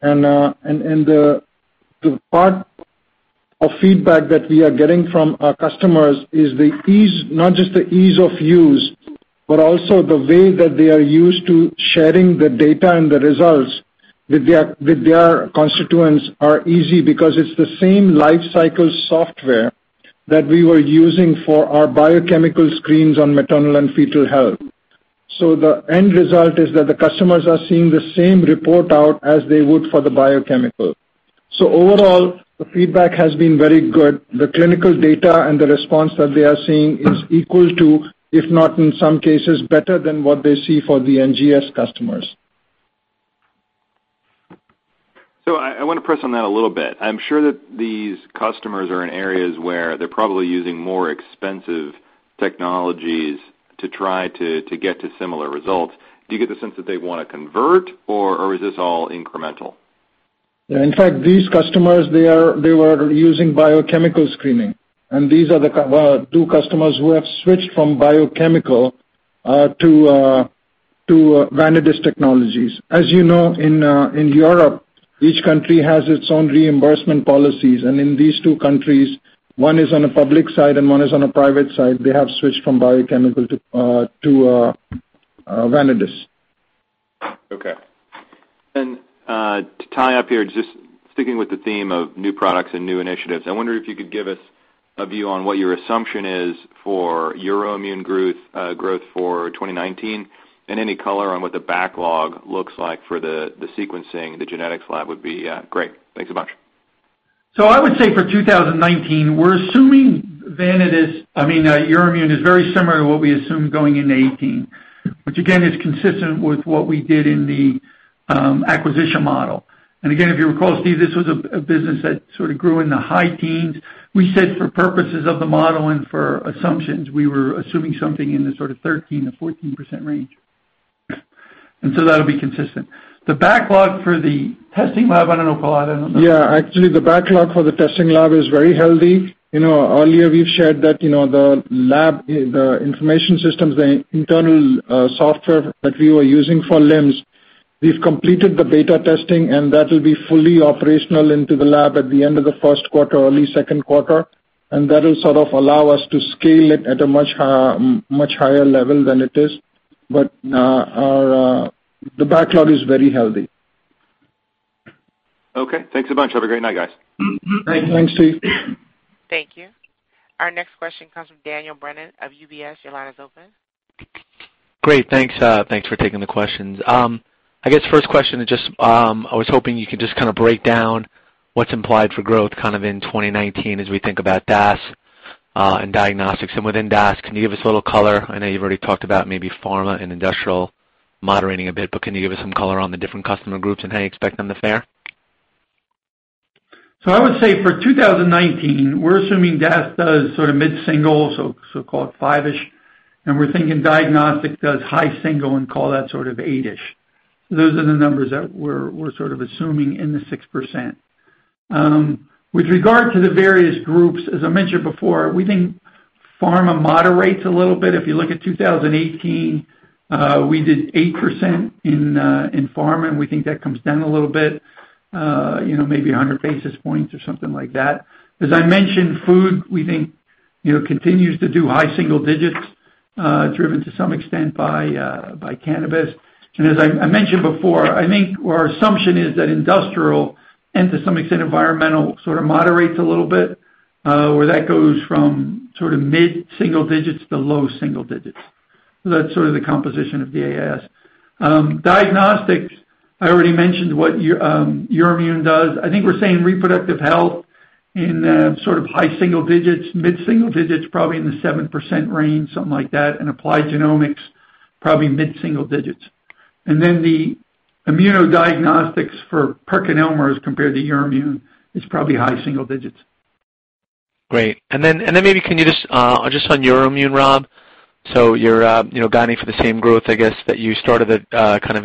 The part of feedback that we are getting from our customers is not just the ease of use, but also the way that they are used to sharing the data and the results with their constituents are easy because it's the same life cycle software that we were using for our biochemical screens on maternal and fetal health. The end result is that the customers are seeing the same report out as they would for the biochemical. Overall, the feedback has been very good. The clinical data and the response that they are seeing is equal to, if not in some cases better than what they see for the NGS customers. I want to press on that a little bit. I'm sure that these customers are in areas where they're probably using more expensive technologies to try to get to similar results. Do you get the sense that they want to convert, or is this all incremental? In fact, these customers they were using biochemical screening, and these are the two customers who have switched from biochemical to Vanadis technologies. As you know, in Europe, each country has its own reimbursement policies, and in these two countries, one is on a public side and one is on a private side. They have switched from biochemical to Vanadis. Okay. To tie up here, just sticking with the theme of new products and new initiatives, I wonder if you could give us a view on what your assumption is for EUROIMMUN growth for 2019, and any color on what the backlog looks like for the sequencing, the genetics lab would be great. Thanks a much. I would say for 2019, we're assuming EUROIMMUN is very similar to what we assumed going into 2018, which again is consistent with what we did in the acquisition model. Again, if you recall, Steve, this was a business that sort of grew in the high teens. We said for purposes of the modeling for assumptions, we were assuming something in the sort of 13%-14% range. That'll be consistent. The backlog for the testing lab, I don't know, Prahlad. Actually the backlog for the testing lab is very healthy. Earlier we've shared that the lab, the information systems, the internal software that we were using for LIMS, we've completed the beta testing and that will be fully operational into the lab at the end of the first quarter, early second quarter. That will sort of allow us to scale it at a much higher level than it is. The backlog is very healthy. Okay. Thanks a bunch. Have a great night, guys. Thanks, Steve. Thank you. Our next question comes from Daniel Brennan of UBS. Your line is open. Great. Thanks for taking the questions. I guess first question is just, I was hoping you could just break down what's implied for growth in 2019 as we think about DAS and diagnostics. Within DAS, can you give us a little color? I know you've already talked about maybe pharma and industrial moderating a bit, can you give us some color on the different customer groups and how you expect them to fare? I would say for 2019, we're assuming DAS does mid-single, so-called five-ish, and we're thinking diagnostic does high single and call that eight-ish. Those are the numbers that we're assuming in the 6%. With regard to the various groups, as I mentioned before, we think pharma moderates a little bit. If you look at 2018, we did 8% in pharma, and we think that comes down a little bit, maybe 100 basis points or something like that. As I mentioned, food we think continues to do high single digits, driven to some extent by cannabis. As I mentioned before, I think our assumption is that industrial and to some extent environmental sort of moderates a little bit, where that goes from mid-single digits to low single digits. That's the composition of DAS. Diagnostics, I already mentioned what EUROIMMUN does. I think we're saying reproductive health in high single digits, mid-single digits, probably in the 7% range, something like that, and applied genomics probably mid-single digits. The immunodiagnostics for PerkinElmer as compared to EUROIMMUN is probably high single digits. Great. Maybe can you just on EUROIMMUN, Rob, so you're guiding for the same growth, I guess that you started it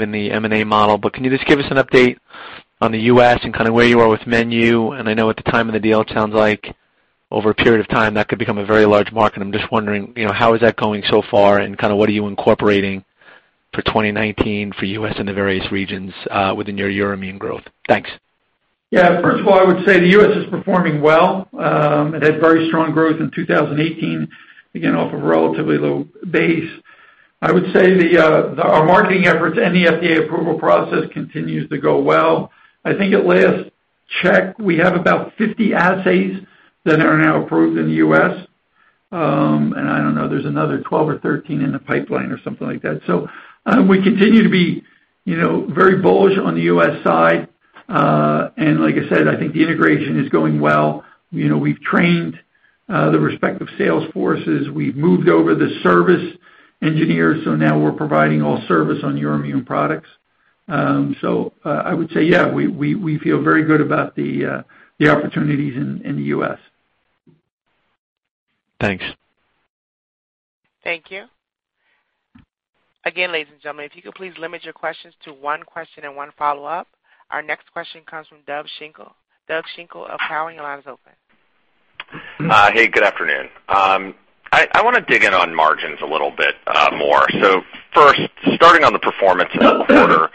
in the M&A model, but can you just give us an update on the U.S. and kind of where you are with Menu, and I know at the time of the deal, it sounds like over a period of time, that could become a very large market. I'm just wondering, how is that going so far and what are you incorporating for 2019 for U.S. and the various regions, within your EUROIMMUN growth? Thanks. Yeah. First of all, I would say the U.S. is performing well. It had very strong growth in 2018, again, off a relatively low base. I would say our marketing efforts and the FDA approval process continues to go well. I think at last check, we have about 50 assays that are now approved in the U.S. I don't know, there's another 12 or 13 in the pipeline or something like that. We continue to be very bullish on the U.S. side. Like I said, I think the integration is going well. We've trained the respective sales forces. We've moved over the service engineers, so now we're providing all service on EUROIMMUN products. I would say, yeah, we feel very good about the opportunities in the U.S. Thanks. Thank you. Again, ladies and gentlemen, if you could please limit your questions to one question and one follow-up. Our next question comes from Doug Schenkel. Doug Schenkel of Cowen, your line is open. Hey, good afternoon. I want to dig in on margins a little bit more. First, starting on the performance of the quarter,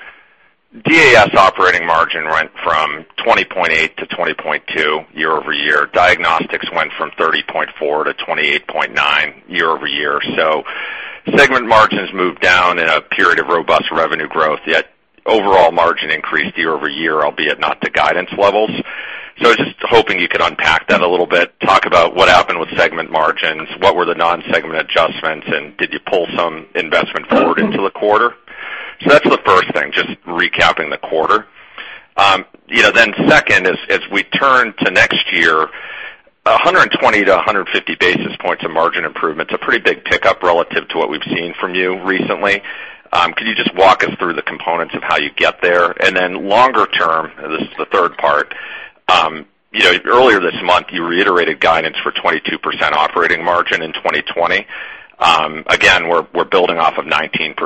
DAS operating margin went from 20.8%-20.2% year-over-year. Diagnostics went from 30.4%-28.9% year-over-year. Segment margins moved down in a period of robust revenue growth, yet overall margin increased year-over-year, albeit not to guidance levels. I was just hoping you could unpack that a little bit, talk about what happened with segment margins, what were the non-segment adjustments, and did you pull some investment forward into the quarter? That's the first thing, just recapping the quarter. Second, as we turn to next year, 120-150 basis points of margin improvement's a pretty big pickup relative to what we've seen from you recently. Could you just walk us through the components of how you get there? Longer term, this is the third part, earlier this month, you reiterated guidance for 22% operating margin in 2020. Again, we're building off of 19% in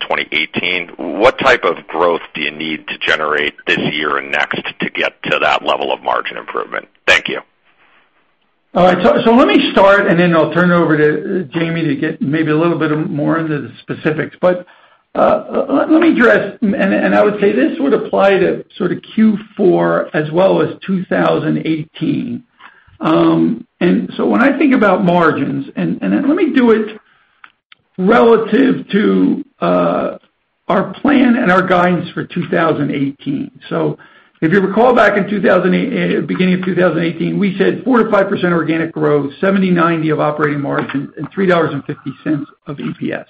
2018. What type of growth do you need to generate this year and next to get to that level of margin improvement? Thank you. All right. Let me start, then I'll turn it over to Jamey to get maybe a little bit more into the specifics. Let me address, I would say this would apply to sort of Q4 as well as 2018. When I think about margins, let me do it relative to our plan and our guidance for 2018. If you recall back in beginning of 2018, we said 4%-5% organic growth, 70/90 of operating margin, and $3.50 of EPS.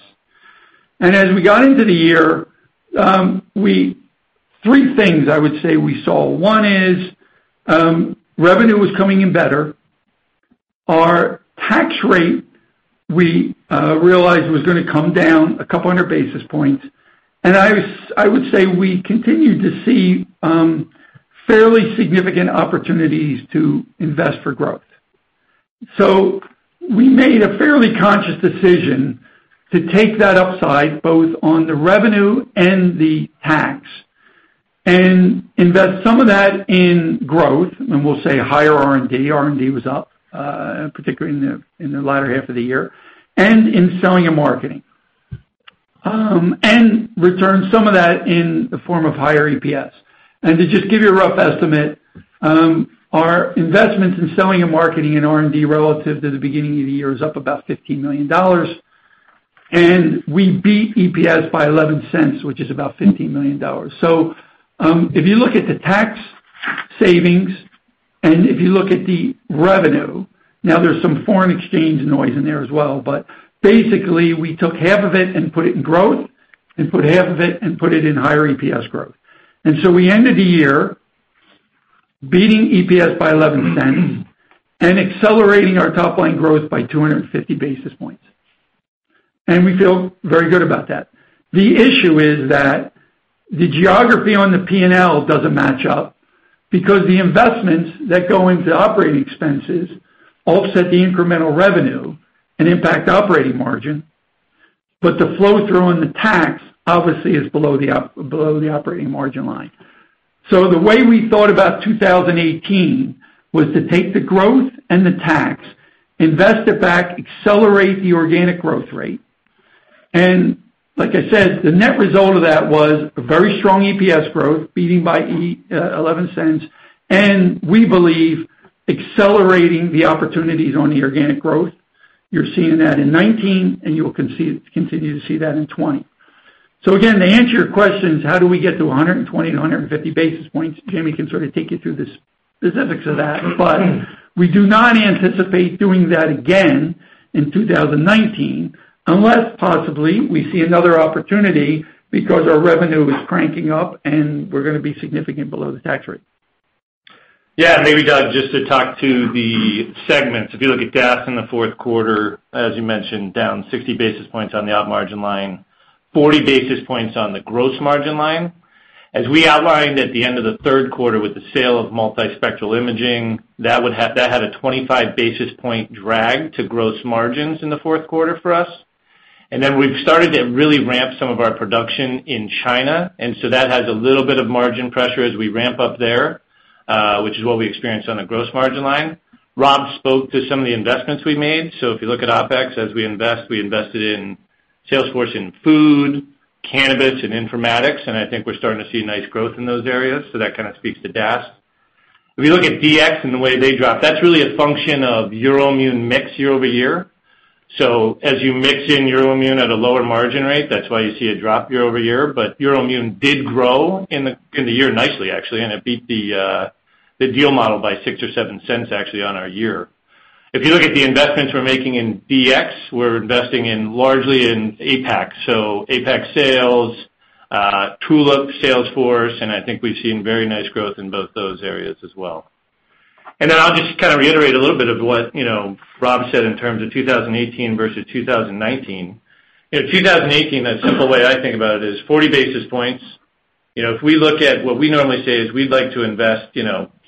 As we got into the year, three things I would say we saw. One is revenue was coming in better. Our tax rate, we realized was going to come down a couple hundred basis points. I would say we continued to see fairly significant opportunities to invest for growth. We made a fairly conscious decision to take that upside, both on the revenue and the tax, and invest some of that in growth, and we'll say higher R&D. R&D was up, particularly in the latter half of the year, and in selling and marketing. Return some of that in the form of higher EPS. To just give you a rough estimate, our investments in selling and marketing and R&D relative to the beginning of the year is up about $15 million. We beat EPS by $0.11, which is about $15 million. If you look at the tax savings and if you look at the revenue, now there's some foreign exchange noise in there as well, but basically we took half of it and put it in growth and put half of it in higher EPS growth. We ended the year beating EPS by $0.11 and accelerating our top-line growth by 250 basis points. We feel very good about that. The issue is that the geography on the P&L doesn't match up because the investments that go into operating expenses offset the incremental revenue and impact operating margin, but the flow-through on the tax obviously is below the operating margin line. The way we thought about 2018 was to take the growth and the tax, invest it back, accelerate the organic growth rate. Like I said, the net result of that was a very strong EPS growth, beating by $0.11, and we believe accelerating the opportunities on the organic growth. You're seeing that in 2019, and you'll continue to see that in 2020. Again, to answer your questions, how do we get to 120-150 basis points? Jamey can sort of take you through the specifics of that, we do not anticipate doing that again in 2019 unless possibly we see another opportunity because our revenue is cranking up and we're going to be significant below the tax rate. Maybe, Doug, just to talk to the segments. If you look at DAS in the fourth quarter, as you mentioned, down 60 basis points on the op margin line, 40 basis points on the gross margin line. As we outlined at the end of the third quarter with the sale of multispectral imaging, that had a 25-basis-point drag to gross margins in the fourth quarter for us. We've started to really ramp some of our production in China, that has a little bit of margin pressure as we ramp up there, which is what we experienced on the gross margin line. Rob spoke to some of the investments we made. If you look at OpEx, as we invest, we invested in sales force, in food, cannabis, and informatics, I think we're starting to see nice growth in those areas. That kind of speaks to DAS. If you look at DX and the way they drop, that's really a function of EUROIMMUN mix year-over-year. As you mix in EUROIMMUN at a lower margin rate, that's why you see a drop year-over-year. EUROIMMUN did grow in the year nicely, actually, it beat the deal model by $0.06 or $0.07 actually on our year. If you look at the investments we're making in DX, we're investing largely in APAC. APAC sales, Tulip sales force, I think we've seen very nice growth in both those areas as well. I'll just kind of reiterate a little bit of what Rob said in terms of 2018 versus 2019. 2018, a simple way I think about it is 40 basis points. If we look at what we normally say is we'd like to invest,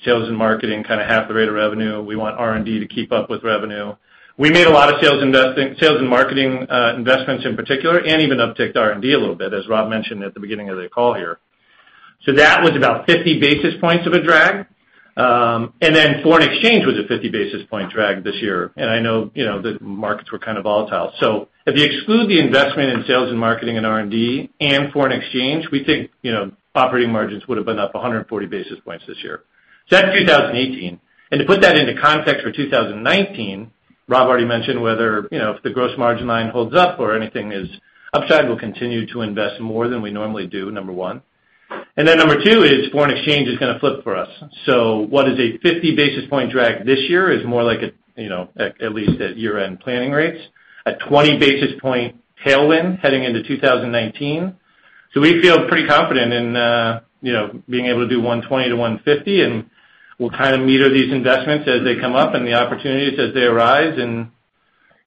sales and marketing, kind of half the rate of revenue. We want R&D to keep up with revenue. We made a lot of sales investing, sales and marketing investments in particular, even upticked R&D a little bit, as Rob mentioned at the beginning of the call here. That was about 50 basis points of a drag. Foreign exchange was a 50 basis point drag this year, I know the markets were kind of volatile. If you exclude the investment in sales and marketing and R&D and foreign exchange, we think operating margins would have been up 140 basis points this year. That's 2018. To put that into context for 2019, Rob already mentioned whether, if the gross margin line holds up or anything is upside, we'll continue to invest more than we normally do, number one. Number two is foreign exchange is going to flip for us. What is a 50 basis point drag this year is more like, at least at year-end planning rates, a 20 basis point tailwind heading into 2019. We feel pretty confident in being able to do 120 to 150, and we'll kind of meter these investments as they come up and the opportunities as they arise.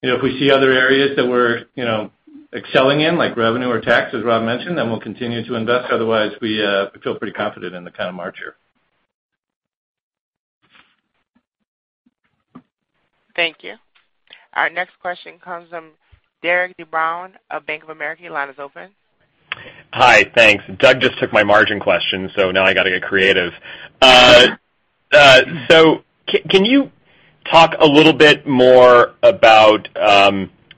If we see other areas that we're excelling in, like revenue or tax, as Rob mentioned, then we'll continue to invest. Otherwise, we feel pretty confident in the kind of margin. Thank you. Our next question comes from Derik de Bruin of Bank of America. Your line is open. Hi. Thanks. Doug just took my margin question, now I got to get creative. Can you talk a little bit more about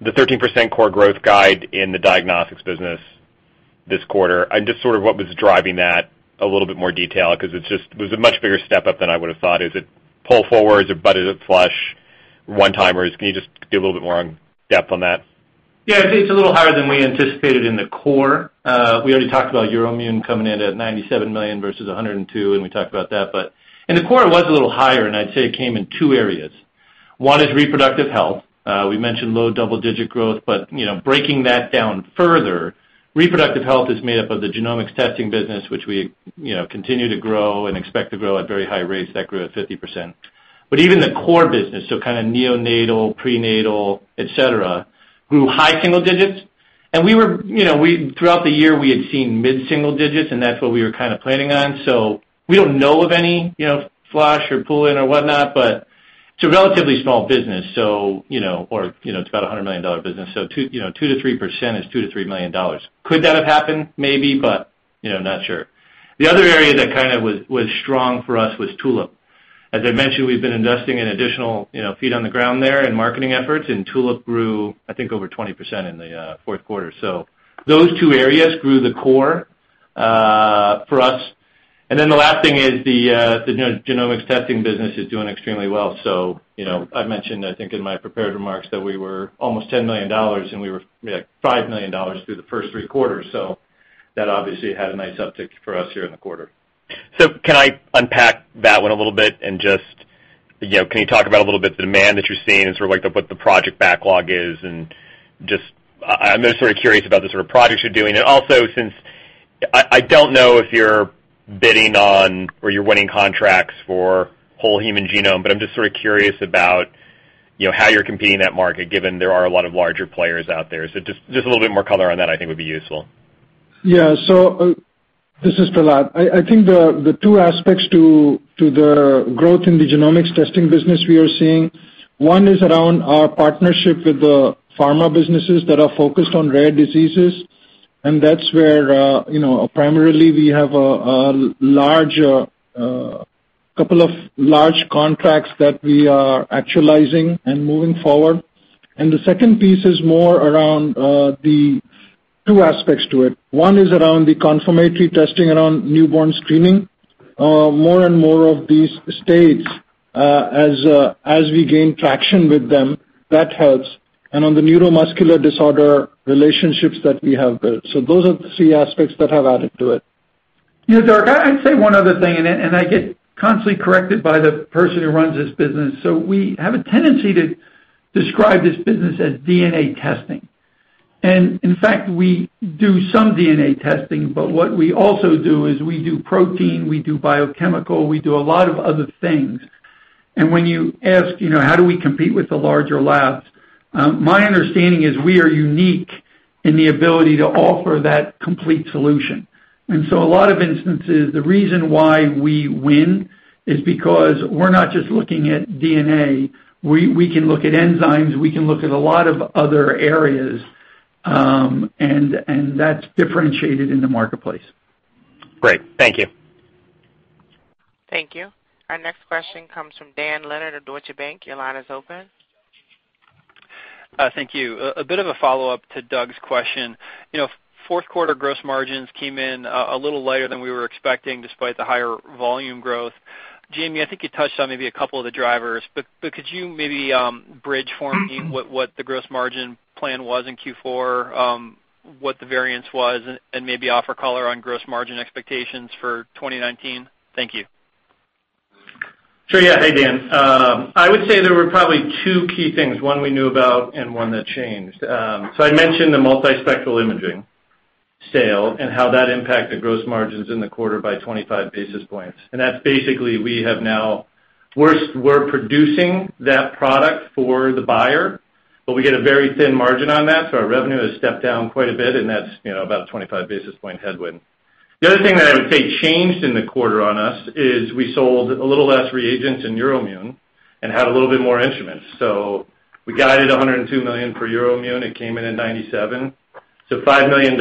the 13% core growth guide in the diagnostics business this quarter, and just sort of what was driving that a little bit more detail? It was a much bigger step up than I would have thought. Is it pull forward? Is it budget flush? One-timers? Can you just give a little bit more on depth on that? Yeah. It's a little higher than we anticipated in the core. We already talked about EUROIMMUN coming in at $97 million versus $102 million, and we talked about that. In the core, it was a little higher, and I'd say it came in two areas. One is reproductive health. We mentioned low double-digit growth, but breaking that down further, reproductive health is made up of the genomics testing business, which we continue to grow and expect to grow at very high rates. That grew at 50%. Even the core business, so kind of neonatal, prenatal, et cetera, grew high single digits. Throughout the year, we had seen mid-single digits, and that's what we were kind of planning on. We don't know of any flush or pull-in or whatnot, but it's a relatively small business, it's about a $100 million business, so 2%-3% is $2 million-$3 million. Could that have happened? Maybe, but not sure. The other area that kind of was strong for us was Tulip. As I mentioned, we've been investing in additional feet on the ground there and marketing efforts, Tulip grew, I think, over 20% in the fourth quarter. Those two areas grew the core for us. The last thing is the genomics testing business is doing extremely well. I mentioned, I think, in my prepared remarks that we were almost $10 million, we were $5 million through the first three quarters. That obviously had a nice uptick for us here in the quarter. Can I unpack that one a little bit and just can you talk about a little bit the demand that you're seeing and sort of like what the project backlog is and just I'm just sort of curious about the sort of projects you're doing. Since I don't know if you're bidding on or you're winning contracts for whole human genome, but I'm just sort of curious about how you're competing in that market, given there are a lot of larger players out there. Just a little bit more color on that, I think, would be useful. Yeah. This is Prahlad. I think the two aspects to the growth in the genomics testing business we are seeing, one is around our partnership with the pharma businesses that are focused on rare diseases, that's where primarily we have a couple of large contracts that we are actualizing and moving forward. The second piece is more around the two aspects to it. One is around the confirmatory testing around newborn screening. More and more of these states, as we gain traction with them, that helps, on the neuromuscular disorder relationships that we have built. Those are the three aspects that have added to it. Derik, I'd say one other thing, I get constantly corrected by the person who runs this business. We have a tendency to describe this business as DNA testing. In fact, we do some DNA testing, but what we also do is we do protein, we do biochemical, we do a lot of other things. When you ask how do we compete with the larger labs? My understanding is we are unique in the ability to offer that complete solution. A lot of instances, the reason why we win is because we're not just looking at DNA. We can look at enzymes. We can look at a lot of other areas, that's differentiated in the marketplace. Great. Thank you. Thank you. Our next question comes from Dan Leonard of Deutsche Bank. Your line is open. Thank you. A bit of a follow-up to Doug's question. Fourth quarter gross margins came in a little lighter than we were expecting, despite the higher volume growth. Jamey, I think you touched on maybe a couple of the drivers, but could you maybe bridge for me what the gross margin plan was in Q4, what the variance was, and maybe offer color on gross margin expectations for 2019? Thank you. Sure, yeah. Hey, Dan. I would say there were probably two key things, one we knew about and one that changed. I mentioned the multispectral imaging sale and how that impacted gross margins in the quarter by 25 basis points. That's basically, we're producing that product for the buyer, but we get a very thin margin on that, so our revenue has stepped down quite a bit, and that's about a 25-basis point headwind. The other thing that I would say changed in the quarter on us is we sold a little less reagents in EUROIMMUN and had a little bit more instruments. We guided $102 million for EUROIMMUN. It came in at $97 million. $5 million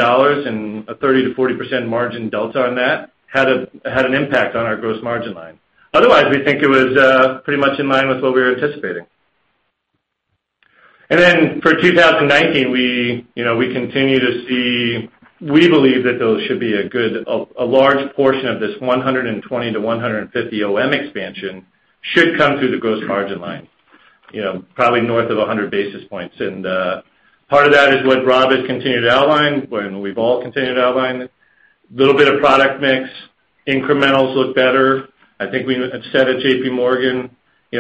and a 30%-40% margin delta on that had an impact on our gross margin line. Otherwise, we think it was pretty much in line with what we were anticipating. For 2019, we believe that those should be a large portion of this 120-150 basis points OM expansion should come through the gross margin line, probably north of 100 basis points. Part of that is what Rob has continued to outline, and we've all continued to outline. Little bit of product mix. Incrementals look better. I think we said at JPMorgan,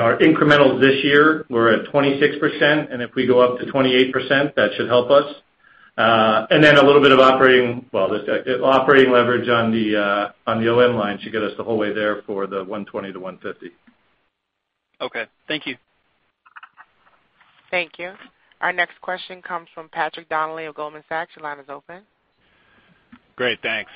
our incrementals this year were at 26%, and if we go up to 28%, that should help us. A little bit of operating leverage on the OM line should get us the whole way there for the 120-150 basis points. Okay. Thank you. Thank you. Our next question comes from Patrick Donnelly of Goldman Sachs. Your line is open. Great. Thanks.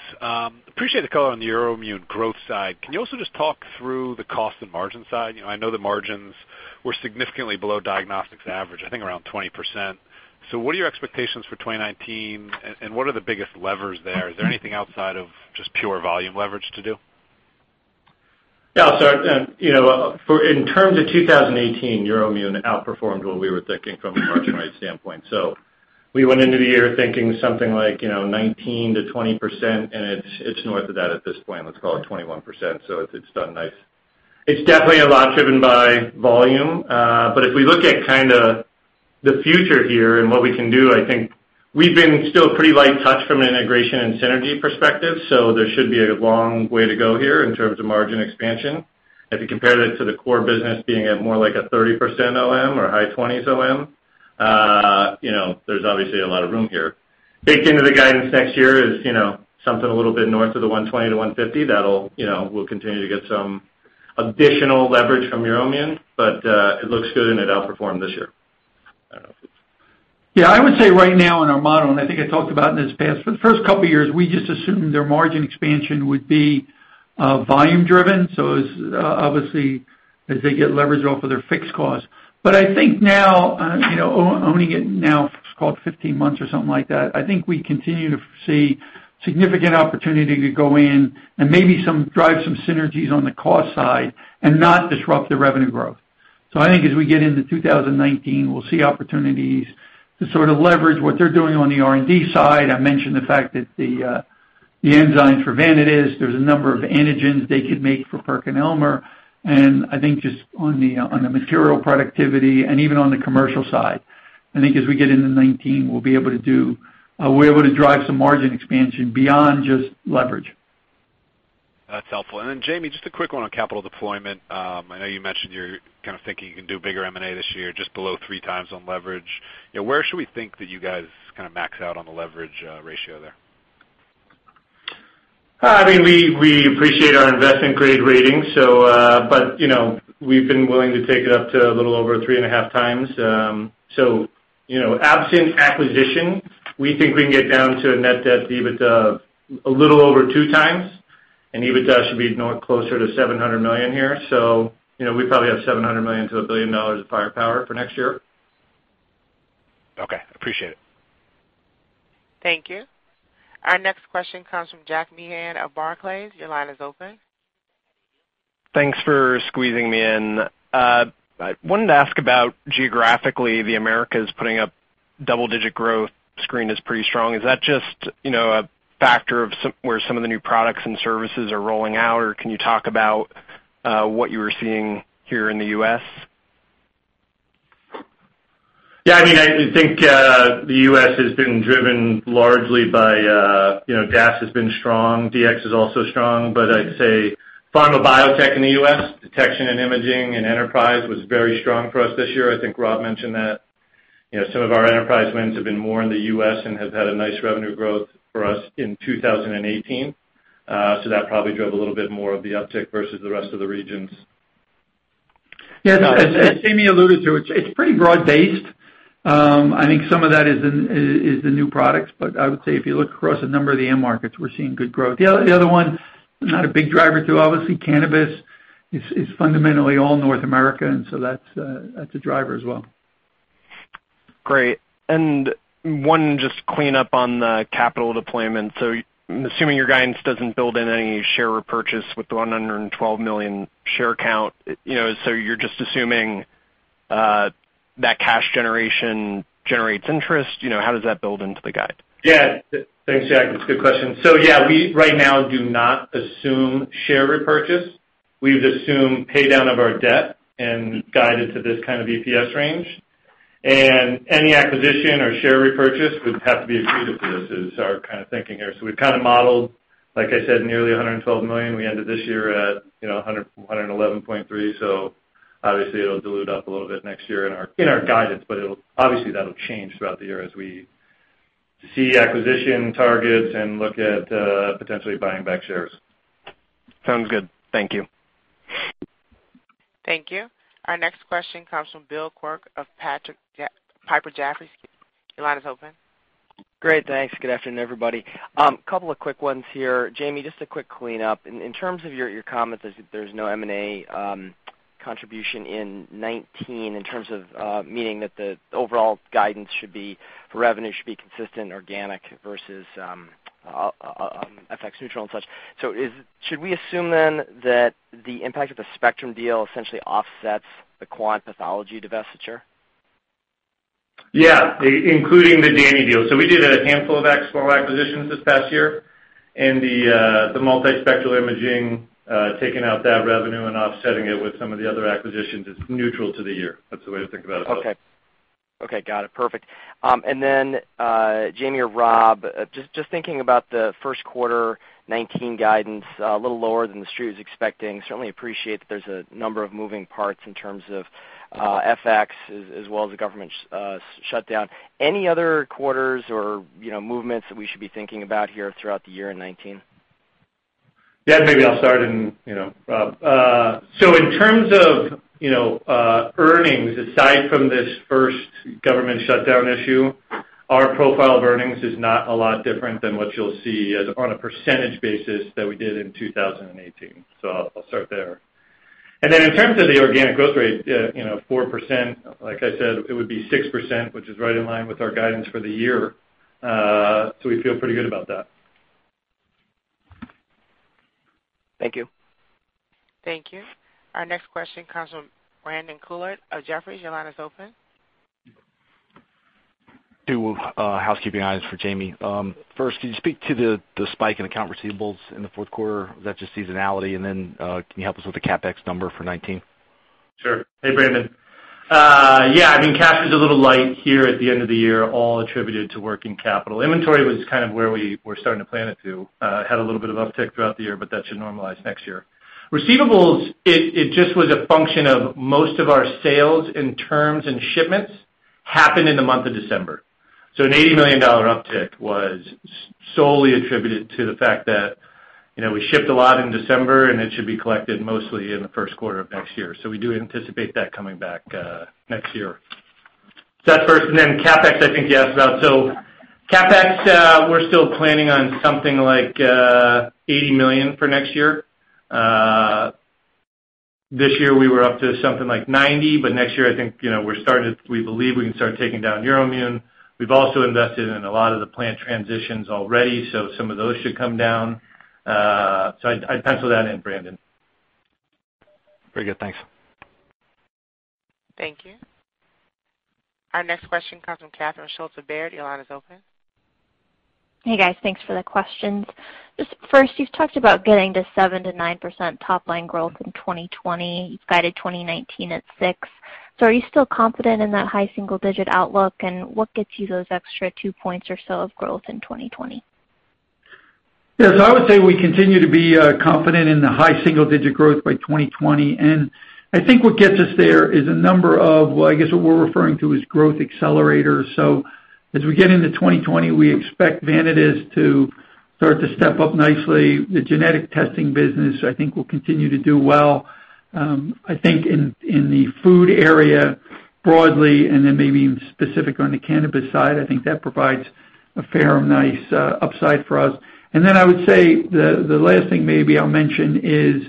Appreciate the color on the EUROIMMUN growth side. Can you also just talk through the cost and margin side? I know the margins were significantly below diagnostics average, I think around 20%. What are your expectations for 2019, and what are the biggest levers there? Is there anything outside of just pure volume leverage to do? In terms of 2018, EUROIMMUN outperformed what we were thinking from a margin rate standpoint. We went into the year thinking something like 19%-20%, and it's north of that at this point. Let's call it 21%. It's done nice. It's definitely a lot driven by volume. If we look at the future here and what we can do, I think we've been still pretty light touched from an integration and synergy perspective, so there should be a long way to go here in terms of margin expansion. If you compare that to the core business being at more like a 30% OM or high 20s OM, there's obviously a lot of room here. Baked into the guidance next year is something a little bit north of the 120 to 150. We'll continue to get some additional leverage from EUROIMMUN, but it looks good, and it outperformed this year. I would say right now in our model, and I think I talked about in this past, for the first couple of years, we just assumed their margin expansion would be volume driven, so obviously, as they get leverage off of their fixed cost. I think now, owning it now close to 15 months or something like that, I think we continue to see significant opportunity to go in and maybe drive some synergies on the cost side and not disrupt the revenue growth. I think as we get into 2019, we'll see opportunities to leverage what they're doing on the R&D side. I mentioned the fact that the enzymes for Vanadis, there's a number of antigens they could make for PerkinElmer, and I think just on the material productivity and even on the commercial side, I think as we get into 2019, we'll be able to drive some margin expansion beyond just leverage. That's helpful. Jamey, just a quick one on capital deployment. I know you mentioned you're thinking you can do bigger M&A this year, just below 3x on leverage. Where should we think that you guys max out on the leverage ratio there? We appreciate our investment grade rating. We've been willing to take it up to a little over 3.5x. Absent acquisition, we think we can get down to a net debt EBITDA a little over 2x, and EBITDA should be north closer to $700 million here. We probably have $700 million-$1 billion of firepower for next year. Okay. Appreciate it. Thank you. Our next question comes from Jack Meehan of Barclays. Your line is open. Thanks for squeezing me in. I wanted to ask about geographically, the Americas putting up double-digit growth seems pretty strong. Is that just a factor of where some of the new products and services are rolling out, or can you talk about what you are seeing here in the U.S.? Yeah, I think the U.S. has been driven largely by, DAS has been strong, DX is also strong. I'd say pharma biotech in the U.S., detection and imaging and enterprise was very strong for us this year. I think Rob mentioned that some of our enterprise wins have been more in the U.S. and have had a nice revenue growth for us in 2018. That probably drove a little bit more of the uptick versus the rest of the regions. Yes, as Jamey alluded to, it's pretty broad-based. I think some of that is the new products, but I would say if you look across a number of the end markets, we're seeing good growth. The other one, not a big driver too, obviously, cannabis is fundamentally all North America, and so that's a driver as well. Great. One just cleanup on the capital deployment. Assuming your guidance doesn't build in any share repurchase with the 112 million share count, so you're just assuming that cash generation generates interest? How does that build into the guide? Thanks, Jack. It's a good question. We right now do not assume share repurchase. We've assumed pay-down of our debt and guided to this kind of EPS range. Any acquisition or share repurchase would have to be accretive to us, is our kind of thinking here. We've kind of modeled, like I said, nearly $112 million. We ended this year at $111.3. Obviously, it'll dilute up a little bit next year in our guidance, but obviously that'll change throughout the year as we see acquisition targets and look at potentially buying back shares. Sounds good. Thank you. Thank you. Our next question comes from Bill Quirk of Piper Jaffray. Your line is open. Great, thanks. Good afternoon, everybody. Couple of quick ones here. Jamey, just a quick clean up. In terms of your comments, there's no M&A contribution in 2019 in terms of meaning that the overall guidance should be, revenue should be consistent organic versus FX neutral and such. Should we assume then that the impact of the Spectrum deal essentially offsets the Quantitative Pathology divestiture? Yeah, including the Dani deal. We did a handful of small acquisitions this past year, and the multispectral imaging, taking out that revenue and offsetting it with some of the other acquisitions is neutral to the year. That's the way to think about it. Okay. Got it. Perfect. Jamey or Rob, just thinking about the first quarter 2019 guidance, a little lower than the street was expecting. Certainly, appreciate that there's a number of moving parts in terms of FX as well as the government shutdown. Any other quarters or movements that we should be thinking about here throughout the year in 2019? Yeah, maybe I'll start in, Rob. In terms of earnings, aside from this first government shutdown issue, our profile of earnings is not a lot different than what you'll see on a percentage basis that we did in 2018. I'll start there. In terms of the organic growth rate, 4%, like I said, it would be 6%, which is right in line with our guidance for the year. We feel pretty good about that. Thank you. Thank you. Our next question comes from Brandon Couillard of Jefferies. Your line is open. Two housekeeping items for Jamey. First, could you speak to the spike in account receivables in the fourth quarter? Is that just seasonality? Can you help us with the CapEx number for 2019? Sure. Hey, Brandon. Yeah, cash is a little light here at the end of the year, all attributed to working capital. Inventory was kind of where we were starting to plan it to. Had a little bit of uptick throughout the year, but that should normalize next year. Receivables, it just was a function of most of our sales in terms and shipments happened in the month of December. An $80 million uptick was solely attributed to the fact that we shipped a lot in December, and it should be collected mostly in the first quarter of next year. We do anticipate that coming back next year. That first, and then CapEx, I think you asked about. CapEx, we're still planning on something like $80 million for next year. This year we were up to something like $90 million, but next year, I think, we believe we can start taking down EUROIMMUN. We've also invested in a lot of the plant transitions already, some of those should come down. I'd pencil that in, Brandon. Very good. Thanks. Thank you. Our next question comes from Catherine Schulte from Baird. Your line is open. Hey, guys. Thanks for the questions. Just first, you've talked about getting to 7%-9% top-line growth in 2020. You've guided 2019 at 6%. Are you still confident in that high single-digit outlook, and what gets you those extra two points or so of growth in 2020? Yes, I would say we continue to be confident in the high single-digit growth by 2020. I think what gets us there is a number of, well, I guess what we're referring to is growth accelerators. As we get into 2020, we expect Vanadis to start to step up nicely. The genetic testing business I think will continue to do well. I think in the food area broadly, and then maybe even specific on the cannabis side, I think that provides a fair, nice upside for us. I would say the last thing maybe I'll mention is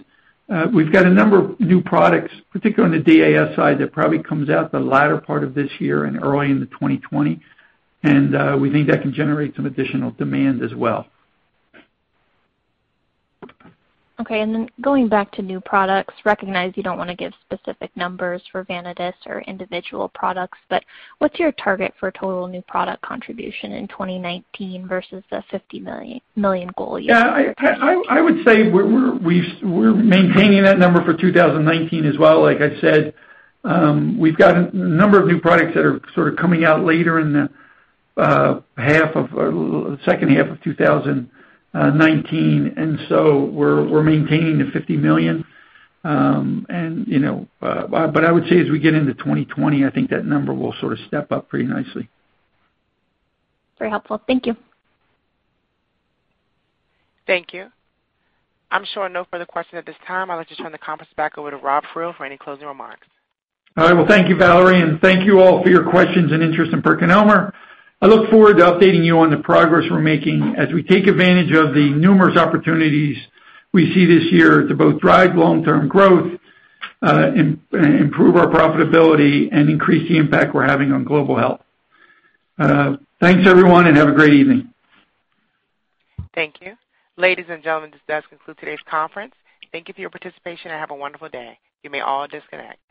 we've got a number of new products, particularly on the DAS side, that probably comes out the latter part of this year and early into 2020. We think that can generate some additional demand as well. Going back to new products, recognize you don't want to give specific numbers for Vanadis or individual products, what's your target for total new product contribution in 2019 versus the $50 million goal you had? I would say we're maintaining that number for 2019 as well. Like I said, we've got a number of new products that are sort of coming out later in the second half of 2019, we're maintaining the $50 million. I would say as we get into 2020, I think that number will sort of step up pretty nicely. Very helpful. Thank you. Thank you. I'm showing no further questions at this time. I'd like to turn the conference back over to Rob Friel for any closing remarks. All right. Well, thank you, Valerie, and thank you all for your questions and interest in PerkinElmer. I look forward to updating you on the progress we're making as we take advantage of the numerous opportunities we see this year to both drive long-term growth, improve our profitability, and increase the impact we're having on global health. Thanks, everyone, and have a great evening. Thank you. Ladies and gentlemen, this does conclude today's conference. Thank you for your participation and have a wonderful day. You may all disconnect.